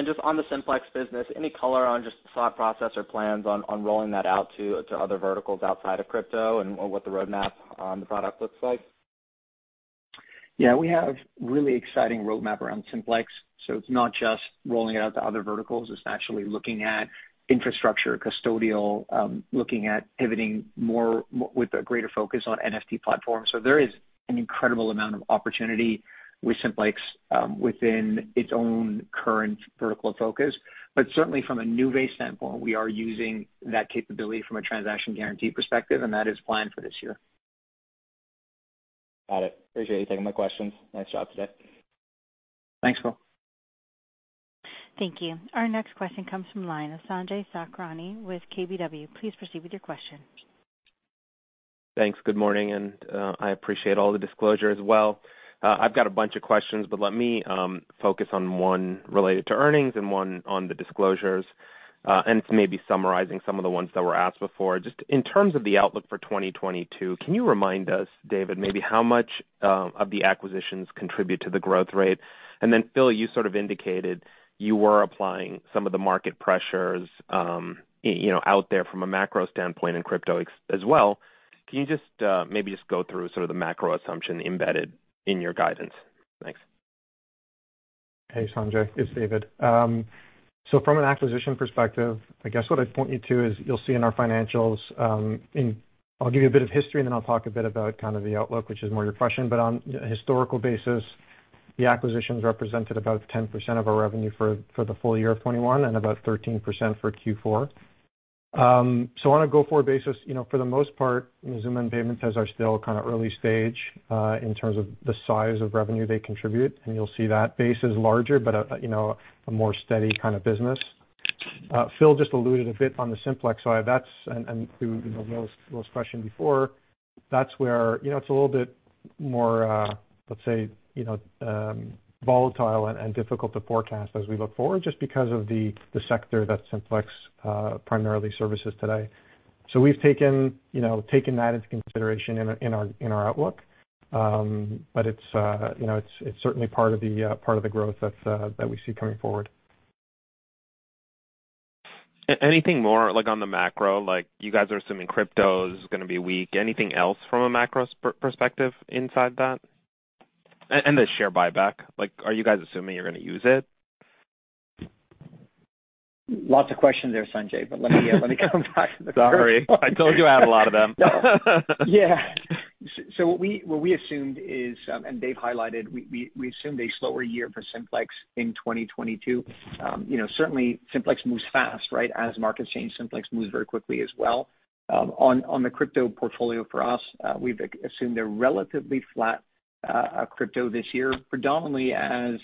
Just on the Simplex business, any color on just thought process or plans on rolling that out to other verticals outside of crypto and what the roadmap on the product looks like? Yeah. We have really exciting roadmap around Simplex, so it's not just rolling it out to other verticals. It's actually looking at infrastructure, custodial, looking at pivoting more with a greater focus on NFT platforms. There is an incredible amount of opportunity with Simplex, within its own current vertical focus. Certainly from a Nuvei standpoint, we are using that capability from a transaction guarantee perspective, and that is planned for this year. Got it. Appreciate you taking my questions. Nice job today. Thanks, Will. Thank you. Our next question comes from the line of Sanjay Sakhrani with KBW. Please proceed with your question. Thanks. Good morning, and I appreciate all the disclosure as well. I've got a bunch of questions, but let me focus on one related to earnings and one on the disclosures, and maybe summarizing some of the ones that were asked before. Just in terms of the outlook for 2022, can you remind us, David, maybe how much of the acquisitions contribute to the growth rate? Then Phil, you sort of indicated you were applying some of the market pressures, you know, out there from a macro standpoint in crypto as well. Can you just maybe just go through sort of the macro assumption embedded in your guidance? Thanks. Hey, Sanjay. It's David. From an acquisition perspective, I guess what I'd point you to is you'll see in our financials. I'll give you a bit of history, and then I'll talk a bit about kind of the outlook, which is more your question. On historical basis, the acquisitions represented about 10% of our revenue for the full year of 2021 and about 13% for Q4. On a go-forward basis, you know, for the most part, Mazooma and Paymentez are still kind of early stage in terms of the size of revenue they contribute, and you'll see that Base is larger, but you know, a more steady kind of business. Philip just alluded a bit on the Simplex side. To Will's question before, that's where, you know, it's a little bit more, let's say, you know, volatile and difficult to forecast as we look forward just because of the sector that Simplex primarily services today. We've taken, you know, that into consideration in our outlook. It's, you know, certainly part of the growth that we see coming forward. Anything more like on the macro? Like you guys are assuming crypto is gonna be weak. Anything else from a macro perspective inside that? The share buyback, like, are you guys assuming you're gonna use it? Lots of questions there, Sanjay. Let me come back to the first one. Sorry. I told you I had a lot of them. What we assumed is, and Dave highlighted, we assumed a slower year for Simplex in 2022. You know, certainly Simplex moves fast, right? As markets change, Simplex moves very quickly as well. On the crypto portfolio for us, we've assumed a relatively flat crypto this year, predominantly as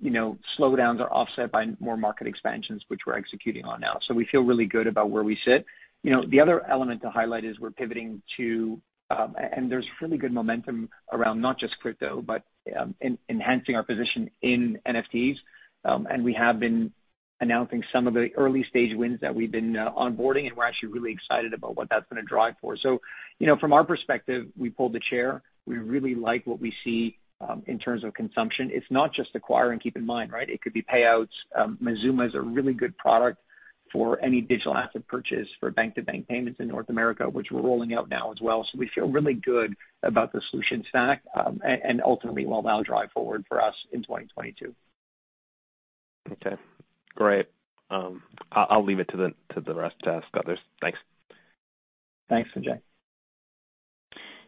you know, slowdowns are offset by more market expansions, which we're executing on now. We feel really good about where we sit. You know, the other element to highlight is we're pivoting to and there's really good momentum around not just crypto, but enhancing our position in NFTs. We have been announcing some of the early-stage wins that we've been onboarding, and we're actually really excited about what that's gonna drive for. You know, from our perspective, we pulled the chair. We really like what we see in terms of consumption. It's not just Acquire and keep in mind, right? It could be Payouts. Mazooma is a really good product for any digital asset purchase for bank-to-bank payments in North America, which we're rolling out now as well. We feel really good about the solution stack, and ultimately will now drive forward for us in 2022. Okay. Great. I'll leave it to the rest to ask others. Thanks. Thanks, Sanjay.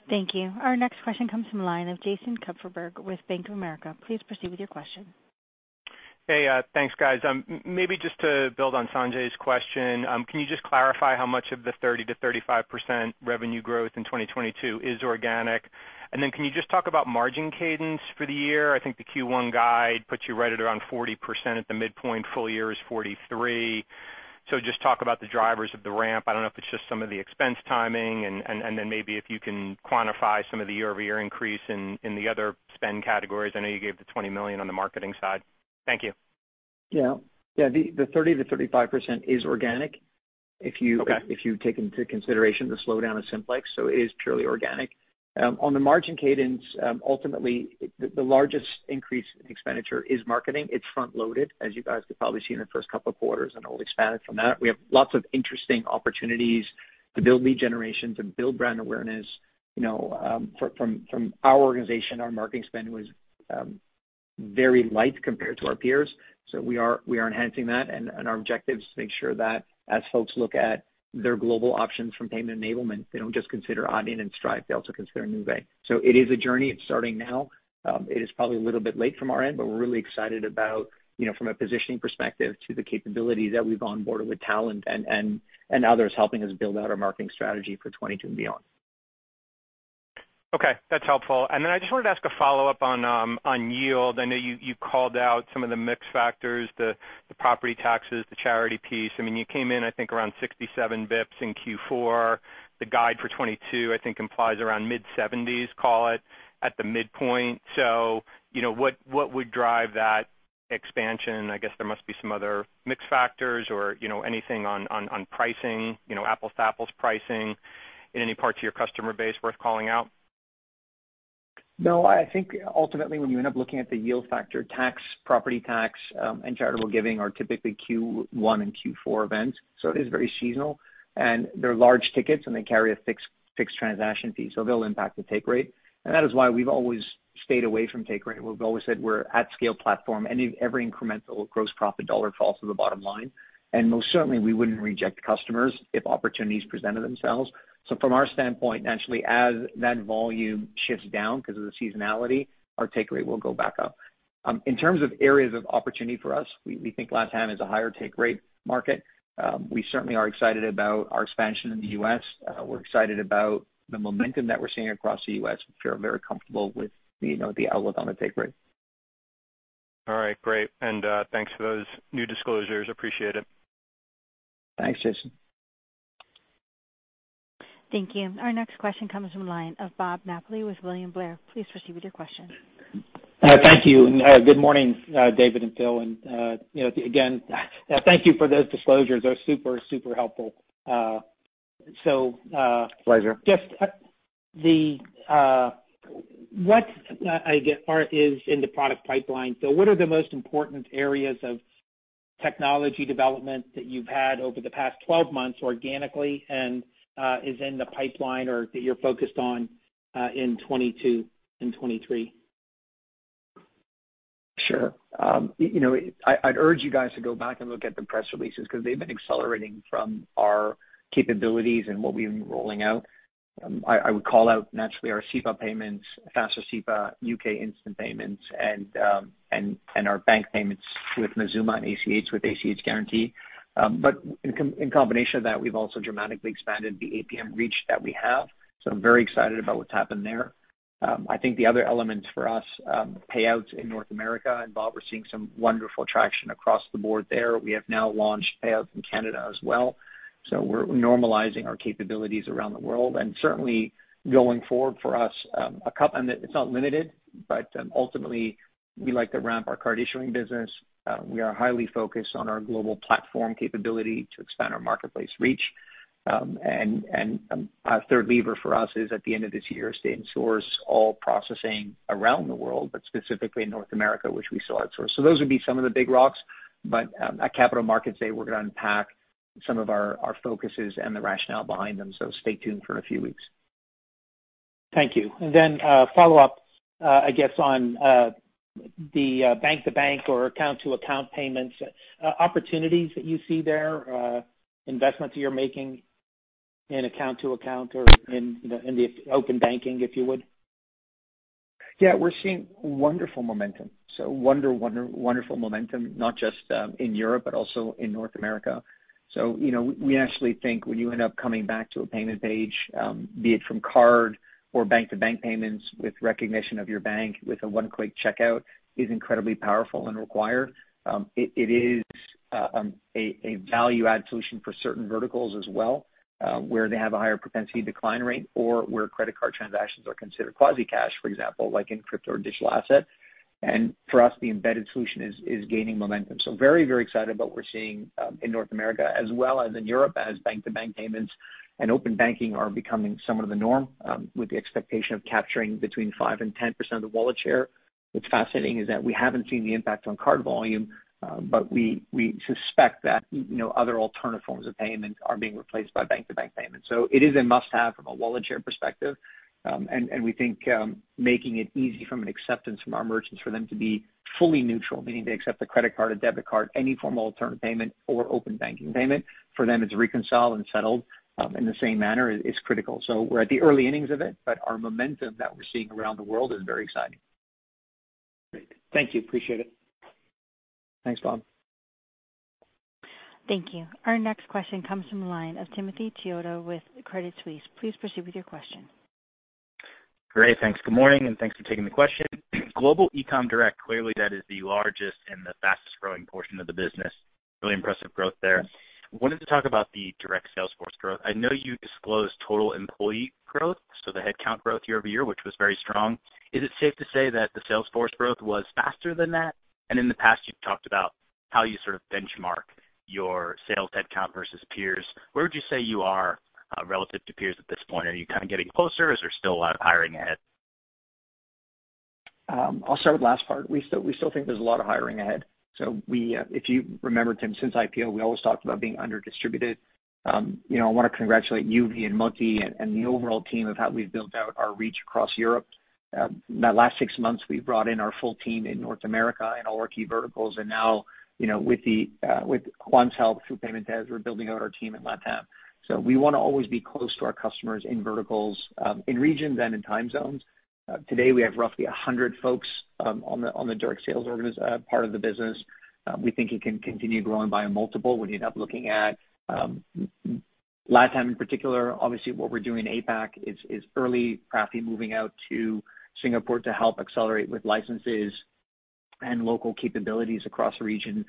Thank you. Our next question comes from the line of Jason Kupferberg with Bank of America. Please proceed with your question. Hey. Thanks, guys. Maybe just to build on Sanjay's question, can you just clarify how much of the 30%-35% revenue growth in 2022 is organic? And then can you just talk about margin cadence for the year? I think the Q1 guide puts you right at around 40% at the midpoint. Full year is 43%. Just talk about the drivers of the ramp. I don't know if it's just some of the expense timing. And then maybe if you can quantify some of the year-over-year increase in the other spend categories. I know you gave the $20 million on the marketing side. Thank you. Yeah. Yeah, the 30%-35% is organic if you- Okay. If you take into consideration the slowdown of Simplex, it is purely organic. On the margin cadence, ultimately the largest increase in expenditure is marketing. It's front loaded, as you guys could probably see in the first couple of quarters, and it'll expand from that. We have lots of interesting opportunities to build lead generation, to build brand awareness. You know, from our organization, our marketing spend was very light compared to our peers. We are enhancing that and our objective is to make sure that as folks look at their global options from payment enablement, they don't just consider Adyen and Stripe, they also consider Nuvei. It is a journey. It's starting now. It is probably a little bit late from our end, but we're really excited about, you know, from a positioning perspective to the capabilities that we've onboarded with talent and others helping us build out our marketing strategy for 2022 and beyond. Okay, that's helpful. I just wanted to ask a follow-up on yield. I know you called out some of the mix factors, the property taxes, the charity piece. I mean, you came in, I think, around 67 bps in Q4. The guide for 2022, I think, implies around mid-70s, call it, at the midpoint. You know, what would drive that expansion? I guess there must be some other mix factors or, you know, anything on pricing, you know, apples-to-apples pricing in any parts of your customer base worth calling out? No, I think ultimately, when you end up looking at the yield factor, tax, property tax, and charitable giving are typically Q1 and Q4 events, so it is very seasonal. They're large tickets, and they carry a fixed transaction fee, so they'll impact the take rate. That is why we've always stayed away from take rate. We've always said we're at scale platform, any, every incremental gross profit dollar falls to the bottom line. Most certainly we wouldn't reject customers if opportunities presented themselves. From our standpoint, naturally, as that volume shifts down 'cause of the seasonality, our take rate will go back up. In terms of areas of opportunity for us, we think LatAm is a higher take rate market. We certainly are excited about our expansion in the U.S. We're excited about the momentum that we're seeing across the U.S. We feel very comfortable with, you know, the outlook on the take rate. All right, great. Thanks for those new disclosures. Appreciate it. Thanks, Jason. Thank you. Our next question comes from the line of Bob Napoli with William Blair. Please proceed with your question. Thank you. Good morning, David and Phil. You know, again, thank you for those disclosures. They're super helpful. Pleasure. Just what is in the product pipeline? What are the most important areas of technology development that you've had over the past 12 months organically and what is in the pipeline or that you're focused on in 2022 and 2023? Sure. You know, I'd urge you guys to go back and look at the press releases 'cause they've been accelerating from our capabilities and what we've been rolling out. I would call out naturally our SEPA payments, faster SEPA, U.K. instant payments, and our bank payments with Mazooma and ACH with ACH Guarantee. But in combination of that, we've also dramatically expanded the APM reach that we have, so I'm very excited about what's happened there. I think the other elements for us, payouts in North America. Bob, we're seeing some wonderful traction across the board there. We have now launched payouts in Canada as well. We're normalizing our capabilities around the world. Certainly going forward for us, a couple and it's not limited, but ultimately we like to ramp our card issuing business. We are highly focused on our global platform capability to expand our marketplace reach. Our third lever for us is at the end of this year to insource all processing around the world, but specifically in North America, which we saw outsource. Those would be some of the big rocks. At Capital Markets Day, we're gonna unpack some of our focuses and the rationale behind them. Stay tuned for a few weeks. Thank you. Follow-up, I guess on the bank-to-bank or account-to-account payments. Opportunities that you see there, investments you're making in account to account or in the open banking, if you would? Yeah, we're seeing wonderful momentum. Wonderful momentum, not just in Europe, but also in North America. You know, we actually think when you end up coming back to a payment page, be it from card or bank-to-bank payments with recognition of your bank, with a one-click checkout is incredibly powerful and required. It is a value-add solution for certain verticals as well, where they have a higher propensity decline rate or where credit card transactions are considered quasi-cash, for example, like in crypto or digital asset. For us, the embedded solution is gaining momentum. Very excited about what we're seeing in North America as well as in Europe as bank-to-bank payments and open banking are becoming somewhat of the norm, with the expectation of capturing between 5% and 10% of the wallet share. What's fascinating is that we haven't seen the impact on card volume, but we suspect that, you know, other alternative forms of payment are being replaced by bank-to-bank payments. It is a must-have from a wallet share perspective. We think making it easy from an acceptance from our merchants for them to be fully neutral, meaning they accept a credit card, a debit card, any form of alternative payment or open banking payment, for them, it's reconciled and settled in the same manner is critical. We're at the early innings of it, but our momentum that we're seeing around the world is very exciting. Great. Thank you. Appreciate it. Thanks, Bob. Thank you. Our next question comes from the line of Timothy Chiodo with Credit Suisse. Please proceed with your question. Great. Thanks. Good morning, and thanks for taking the question. Global eCom direct, clearly that is the largest and the fastest-growing portion of the business. Really impressive growth there. Wanted to talk about the direct sales force growth. I know you disclosed total employee growth, so the headcount growth year-over-year, which was very strong. Is it safe to say that the sales force growth was faster than that? In the past, you've talked about how you sort of benchmark your sales headcount versus peers. Where would you say you are, relative to peers at this point? Are you kind of getting closer? Is there still a lot of hiring ahead? I'll start with the last part. We still think there's a lot of hiring ahead. If you remember, Tim, since IPO, we always talked about being under distributed. You know, I want to congratulate Yuvi and Motie and the overall team on how we've built out our reach across Europe. In that last six months, we've brought in our full team in North America in all our key verticals. Now, you know, with Juan's help through Paymentez, we're building out our team in LatAm. We want to always be close to our customers in verticals, in regions and in time zones. Today, we have roughly 100 folks on the direct sales organization part of the business. We think it can continue growing by a multiple. We're looking at LatAm in particular. Obviously, what we're doing in APAC is early. Praful Morar moving out to Singapore to help accelerate with licenses and local capabilities across the region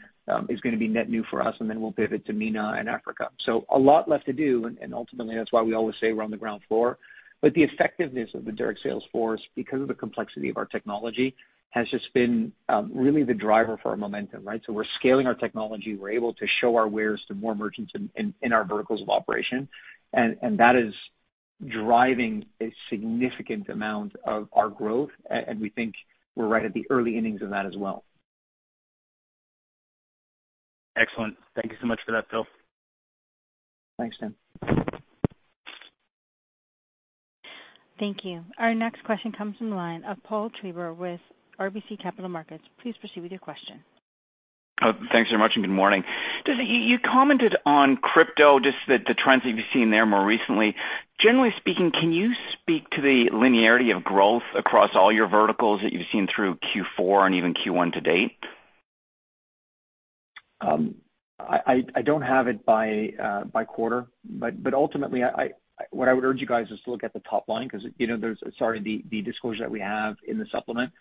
is gonna be net new for us, and then we'll pivot to MENA and Africa. A lot left to do, and ultimately, that's why we always say we're on the ground floor. The effectiveness of the direct sales force, because of the complexity of our technology, has just been really the driver for our momentum, right? We're scaling our technology. We're able to show our wares to more merchants in our verticals of operation. That is driving a significant amount of our growth. We think we're right at the early innings of that as well. Excellent. Thank you so much for that, Phil. Thanks, Tim. Thank you. Our next question comes from the line of Paul Treiber with RBC Capital Markets. Please proceed with your question. Thanks very much, and good morning. Just you commented on crypto, just the trends that you've seen there more recently. Generally speaking, can you speak to the linearity of growth across all your verticals that you've seen through Q4 and even Q1 to date? I don't have it by quarter, but ultimately what I would urge you guys is to look at the top line 'cause, you know, the disclosure that we have in the supplement.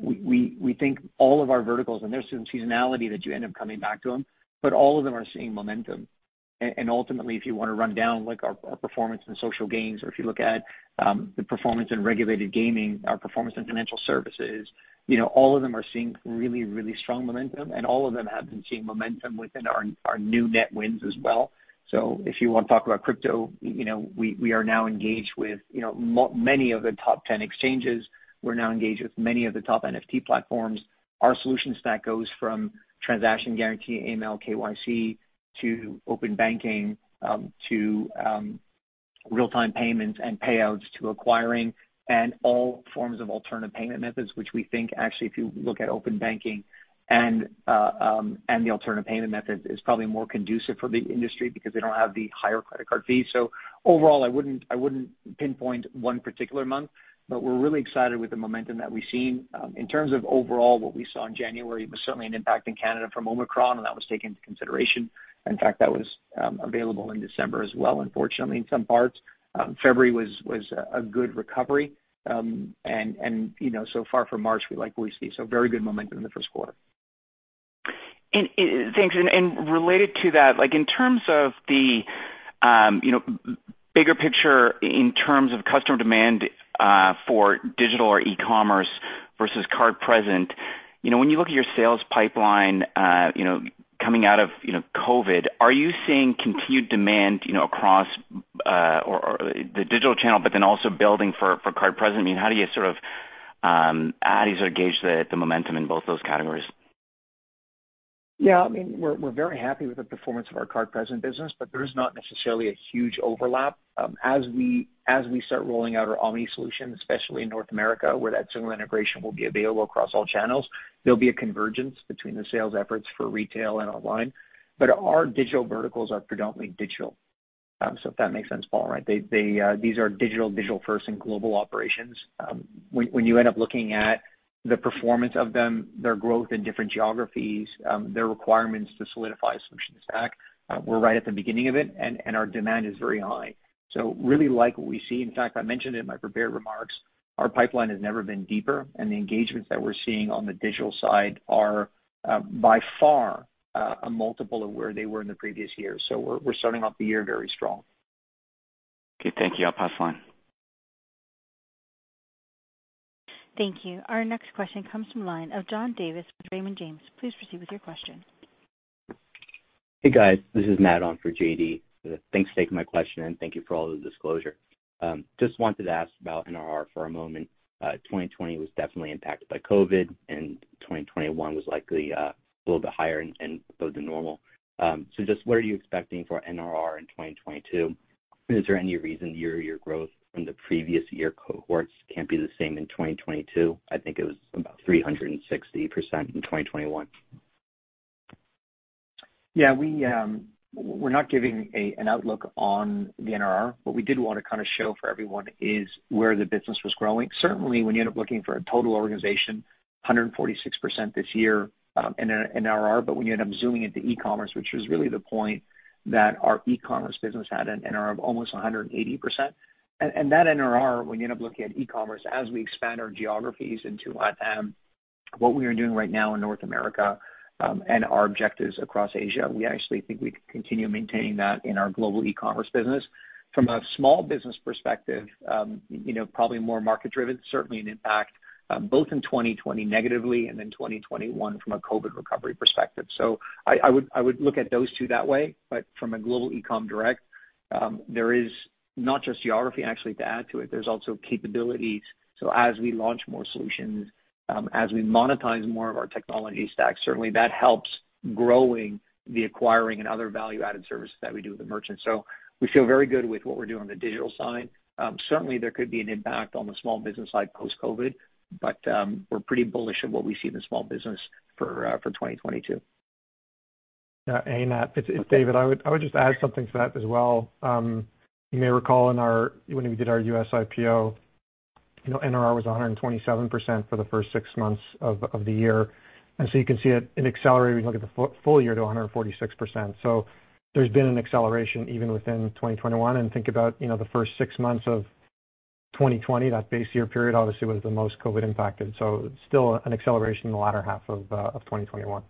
We think all of our verticals, and there's some seasonality that you end up coming back to them, but all of them are seeing momentum. Ultimately, if you wanna run down, like, our performance in social gaming or if you look at the performance in regulated gaming, our performance in financial services, you know, all of them are seeing really strong momentum, and all of them have been seeing momentum within our new net wins as well. If you wanna talk about crypto, you know, we are now engaged with, you know, many of the top ten exchanges. We're now engaged with many of the top NFT platforms. Our solution stack goes from transaction guarantee, AML, KYC, to open banking, to real-time payments and payouts to acquiring and all forms of alternative payment methods, which we think actually, if you look at open banking and the alternative payment methods, is probably more conducive for the industry because they don't have the higher credit card fees. Overall, I wouldn't pinpoint one particular month, but we're really excited with the momentum that we've seen. In terms of overall, what we saw in January was certainly an impact in Canada from Omicron, and that was taken into consideration. In fact, that was available in December as well, unfortunately, in some parts. February was a good recovery. You know, so far for March, we like what we see. Very good momentum in the first quarter. Thanks. Related to that, like in terms of the bigger picture in terms of customer demand for digital or e-commerce versus card present, you know, when you look at your sales pipeline, you know, coming out of you know, COVID, are you seeing continued demand you know, across or the digital channel but then also building for card present? I mean, how do you sort of- How do you sort of gauge the momentum in both those categories? Yeah. I mean, we're very happy with the performance of our card-present business, but there is not necessarily a huge overlap. As we start rolling out our omni solution, especially in North America, where that single integration will be available across all channels, there'll be a convergence between the sales efforts for retail and online. Our digital verticals are predominantly digital. If that makes sense, Paul, right? These are digital first and global operations. When you end up looking at the performance of them, their growth in different geographies, their requirements to solidify a solutions stack, we're right at the beginning of it and our demand is very high. Really like what we see. In fact, I mentioned in my prepared remarks, our pipeline has never been deeper, and the engagements that we're seeing on the digital side are by far a multiple of where they were in the previous year. We're starting off the year very strong. Okay. Thank you. I'll pass the line. Thank you. Our next question comes from line of John Davis with Raymond James. Please proceed with your question. Hey, guys. This is Matt on for JD. Thanks for taking my question, and thank you for all of the disclosure. Just wanted to ask about NRR for a moment. 2020 was definitely impacted by COVID, and 2021 was likely a little bit higher and closer to normal. Just what are you expecting for NRR in 2022? Is there any reason year over year growth from the previous year cohorts can't be the same in 2022? I think it was about 360% in 2021. Yeah. We're not giving an outlook on the NRR. What we did wanna kind of show for everyone is where the business was growing. Certainly, when you end up looking at the total organization, 146% this year, in NRR. When you end up zooming into e-commerce, which was really the point, that our e-commerce business had an NRR of almost 180%. That NRR, when you end up looking at e-commerce, as we expand our geographies into LatAm, what we are doing right now in North America, and our objectives across Asia, we actually think we can continue maintaining that in our global e-commerce business. From a small business perspective, you know, probably more market-driven, certainly an impact, both in 2020 negatively and then 2021 from a COVID recovery perspective. I would look at those two that way. From a global e-com direct, there is not just geography actually to add to it. There's also capabilities. As we launch more solutions, as we monetize more of our technology stacks, certainly that helps growing the acquiring and other value-added services that we do with the merchants. We feel very good with what we do on the digital side. Certainly there could be an impact on the small business side post-COVID, but we're pretty bullish on what we see in the small business for 2022. Yeah. Hey, Matt, it's David. I would just add something to that as well. You may recall, when we did our U.S. IPO, you know, NRR was 127% for the first six months of the year. You can see it accelerated when you look at the full year to 146%. There's been an acceleration even within 2021. Think about, you know, the first six months of 2020, that base year period obviously was the most COVID impacted, so still an acceleration in the latter half of 2021.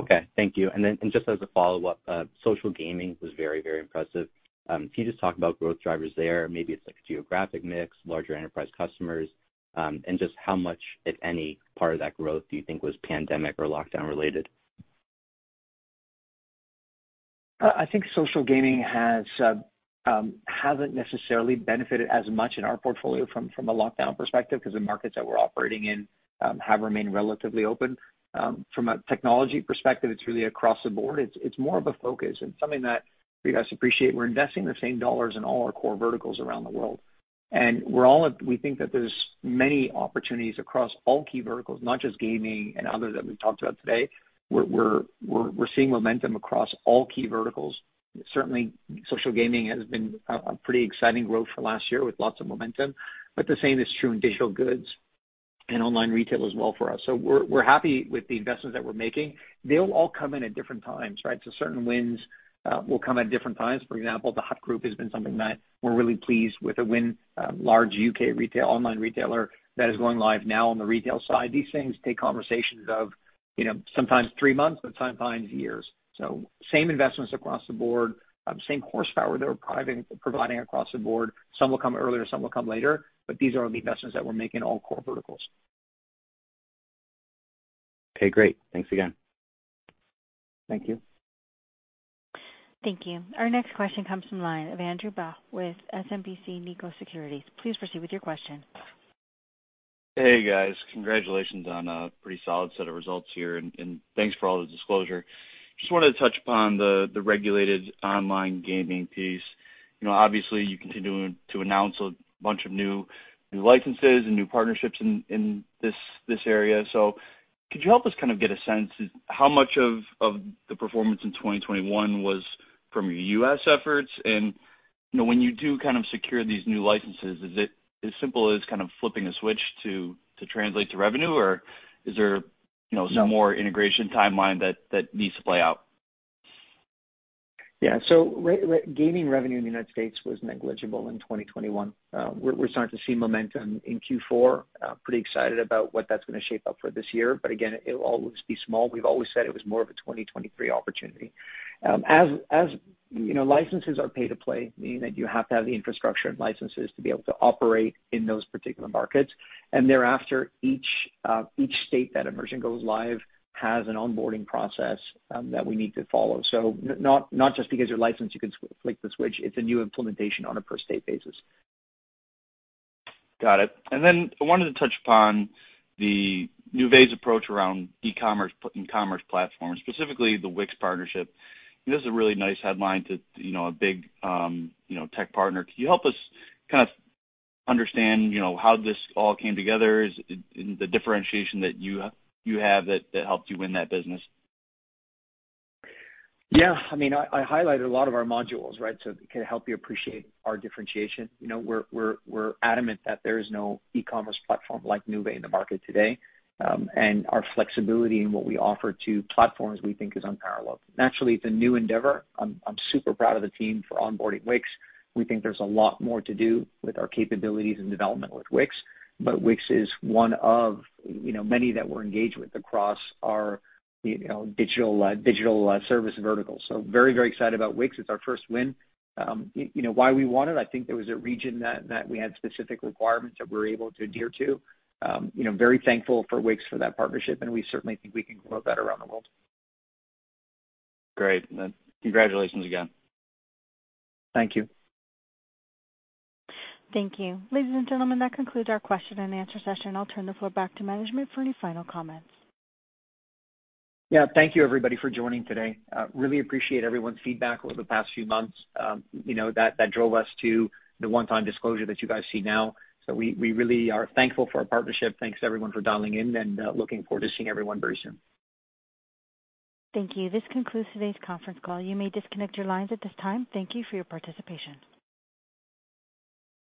Okay. Thank you. Just as a follow-up, social gaming was very, very impressive. Can you just talk about growth drivers there? Maybe it's like a geographic mix, larger enterprise customers, and just how much, if any, part of that growth do you think was pandemic or lockdown related? I think social gaming hasn't necessarily benefited as much in our portfolio from a lockdown perspective, 'cause the markets that we're operating in have remained relatively open. From a technology perspective, it's really across the board. It's more of a focus and something that you guys appreciate. We're investing the same dollars in all our core verticals around the world. We think that there's many opportunities across all key verticals, not just gaming and others that we've talked about today. We're seeing momentum across all key verticals. Certainly, social gaming has been a pretty exciting growth for last year with lots of momentum, but the same is true in digital goods and online retail as well for us. We're happy with the investments that we're making. They'll all come in at different times, right? Certain wins will come at different times. For example, The Hut Group has been something that we're really pleased with a win. Large U.K. retail online retailer that is going live now on the retail side. These things take conversations of, you know, sometimes three months, but sometimes years. Same investments across the board. Same horsepower that we're providing across the board. Some will come earlier, some will come later, but these are the investments that we're making in all core verticals. Okay. Great. Thanks again. Thank you. Thank you. Our next question comes from line of Andrew Bauch with SMBC Nikko Securities. Please proceed with your question. Hey, guys. Congratulations on a pretty solid set of results here, and thanks for all the disclosure. Just wanted to touch upon the regulated online gaming piece. You know, obviously you continue to announce a bunch of new licenses and new partnerships in this area. Could you help us kind of get a sense how much of the performance in 2021 was from your U.S. efforts? You know, when you do kind of secure these new licenses, is it as simple as kind of flipping a switch to translate to revenue, or is there, you know? some more integration timeline that needs to play out? Yeah. Gaming revenue in the United States was negligible in 2021. We're starting to see momentum in Q4. Pretty excited about what that's gonna shape up for this year. Again, it will always be small. We've always said it was more of a 2023 opportunity. As you know, licenses are pay to play, meaning that you have to have the infrastructure and licenses to be able to operate in those particular markets. Thereafter, each state that a merchant goes live has an onboarding process that we need to follow. Not just because you're licensed, you can flick the switch. It's a new implementation on a per state basis. Got it. I wanted to touch upon Nuvei's approach around e-commerce and commerce platforms, specifically the Wix partnership. This is a really nice headline to, you know, a big, you know, tech partner. Can you help us kind of understand, you know, how this all came together? Is it the differentiation that you have that helped you win that business? Yeah. I mean, I highlighted a lot of our modules, right? It can help you appreciate our differentiation. You know, we're adamant that there is no e-commerce platform like Nuvei in the market today. Our flexibility in what we offer to platforms we think is unparalleled. Naturally, it's a new endeavor. I'm super proud of the team for onboarding Wix. We think there's a lot more to do with our capabilities and development with Wix. Wix is one of, you know, many that we're engaged with across our, you know, digital service vertical. Very excited about Wix. It's our first win. You know, why we won it, I think there was a region that we had specific requirements that we were able to adhere to. You know, very thankful for Wix for that partnership, and we certainly think we can grow that around the world. Great. Congratulations again. Thank you. Thank you. Ladies and gentlemen, that concludes our question-and-answer session. I'll turn the floor back to management for any final comments. Yeah. Thank you everybody for joining today. Really appreciate everyone's feedback over the past few months, you know, that drove us to the one-time disclosure that you guys see now. We really are thankful for our partnership. Thanks everyone for dialing in, and looking forward to seeing everyone very soon. Thank you. This concludes today's conference call. You may disconnect your lines at this time. Thank you for your participation.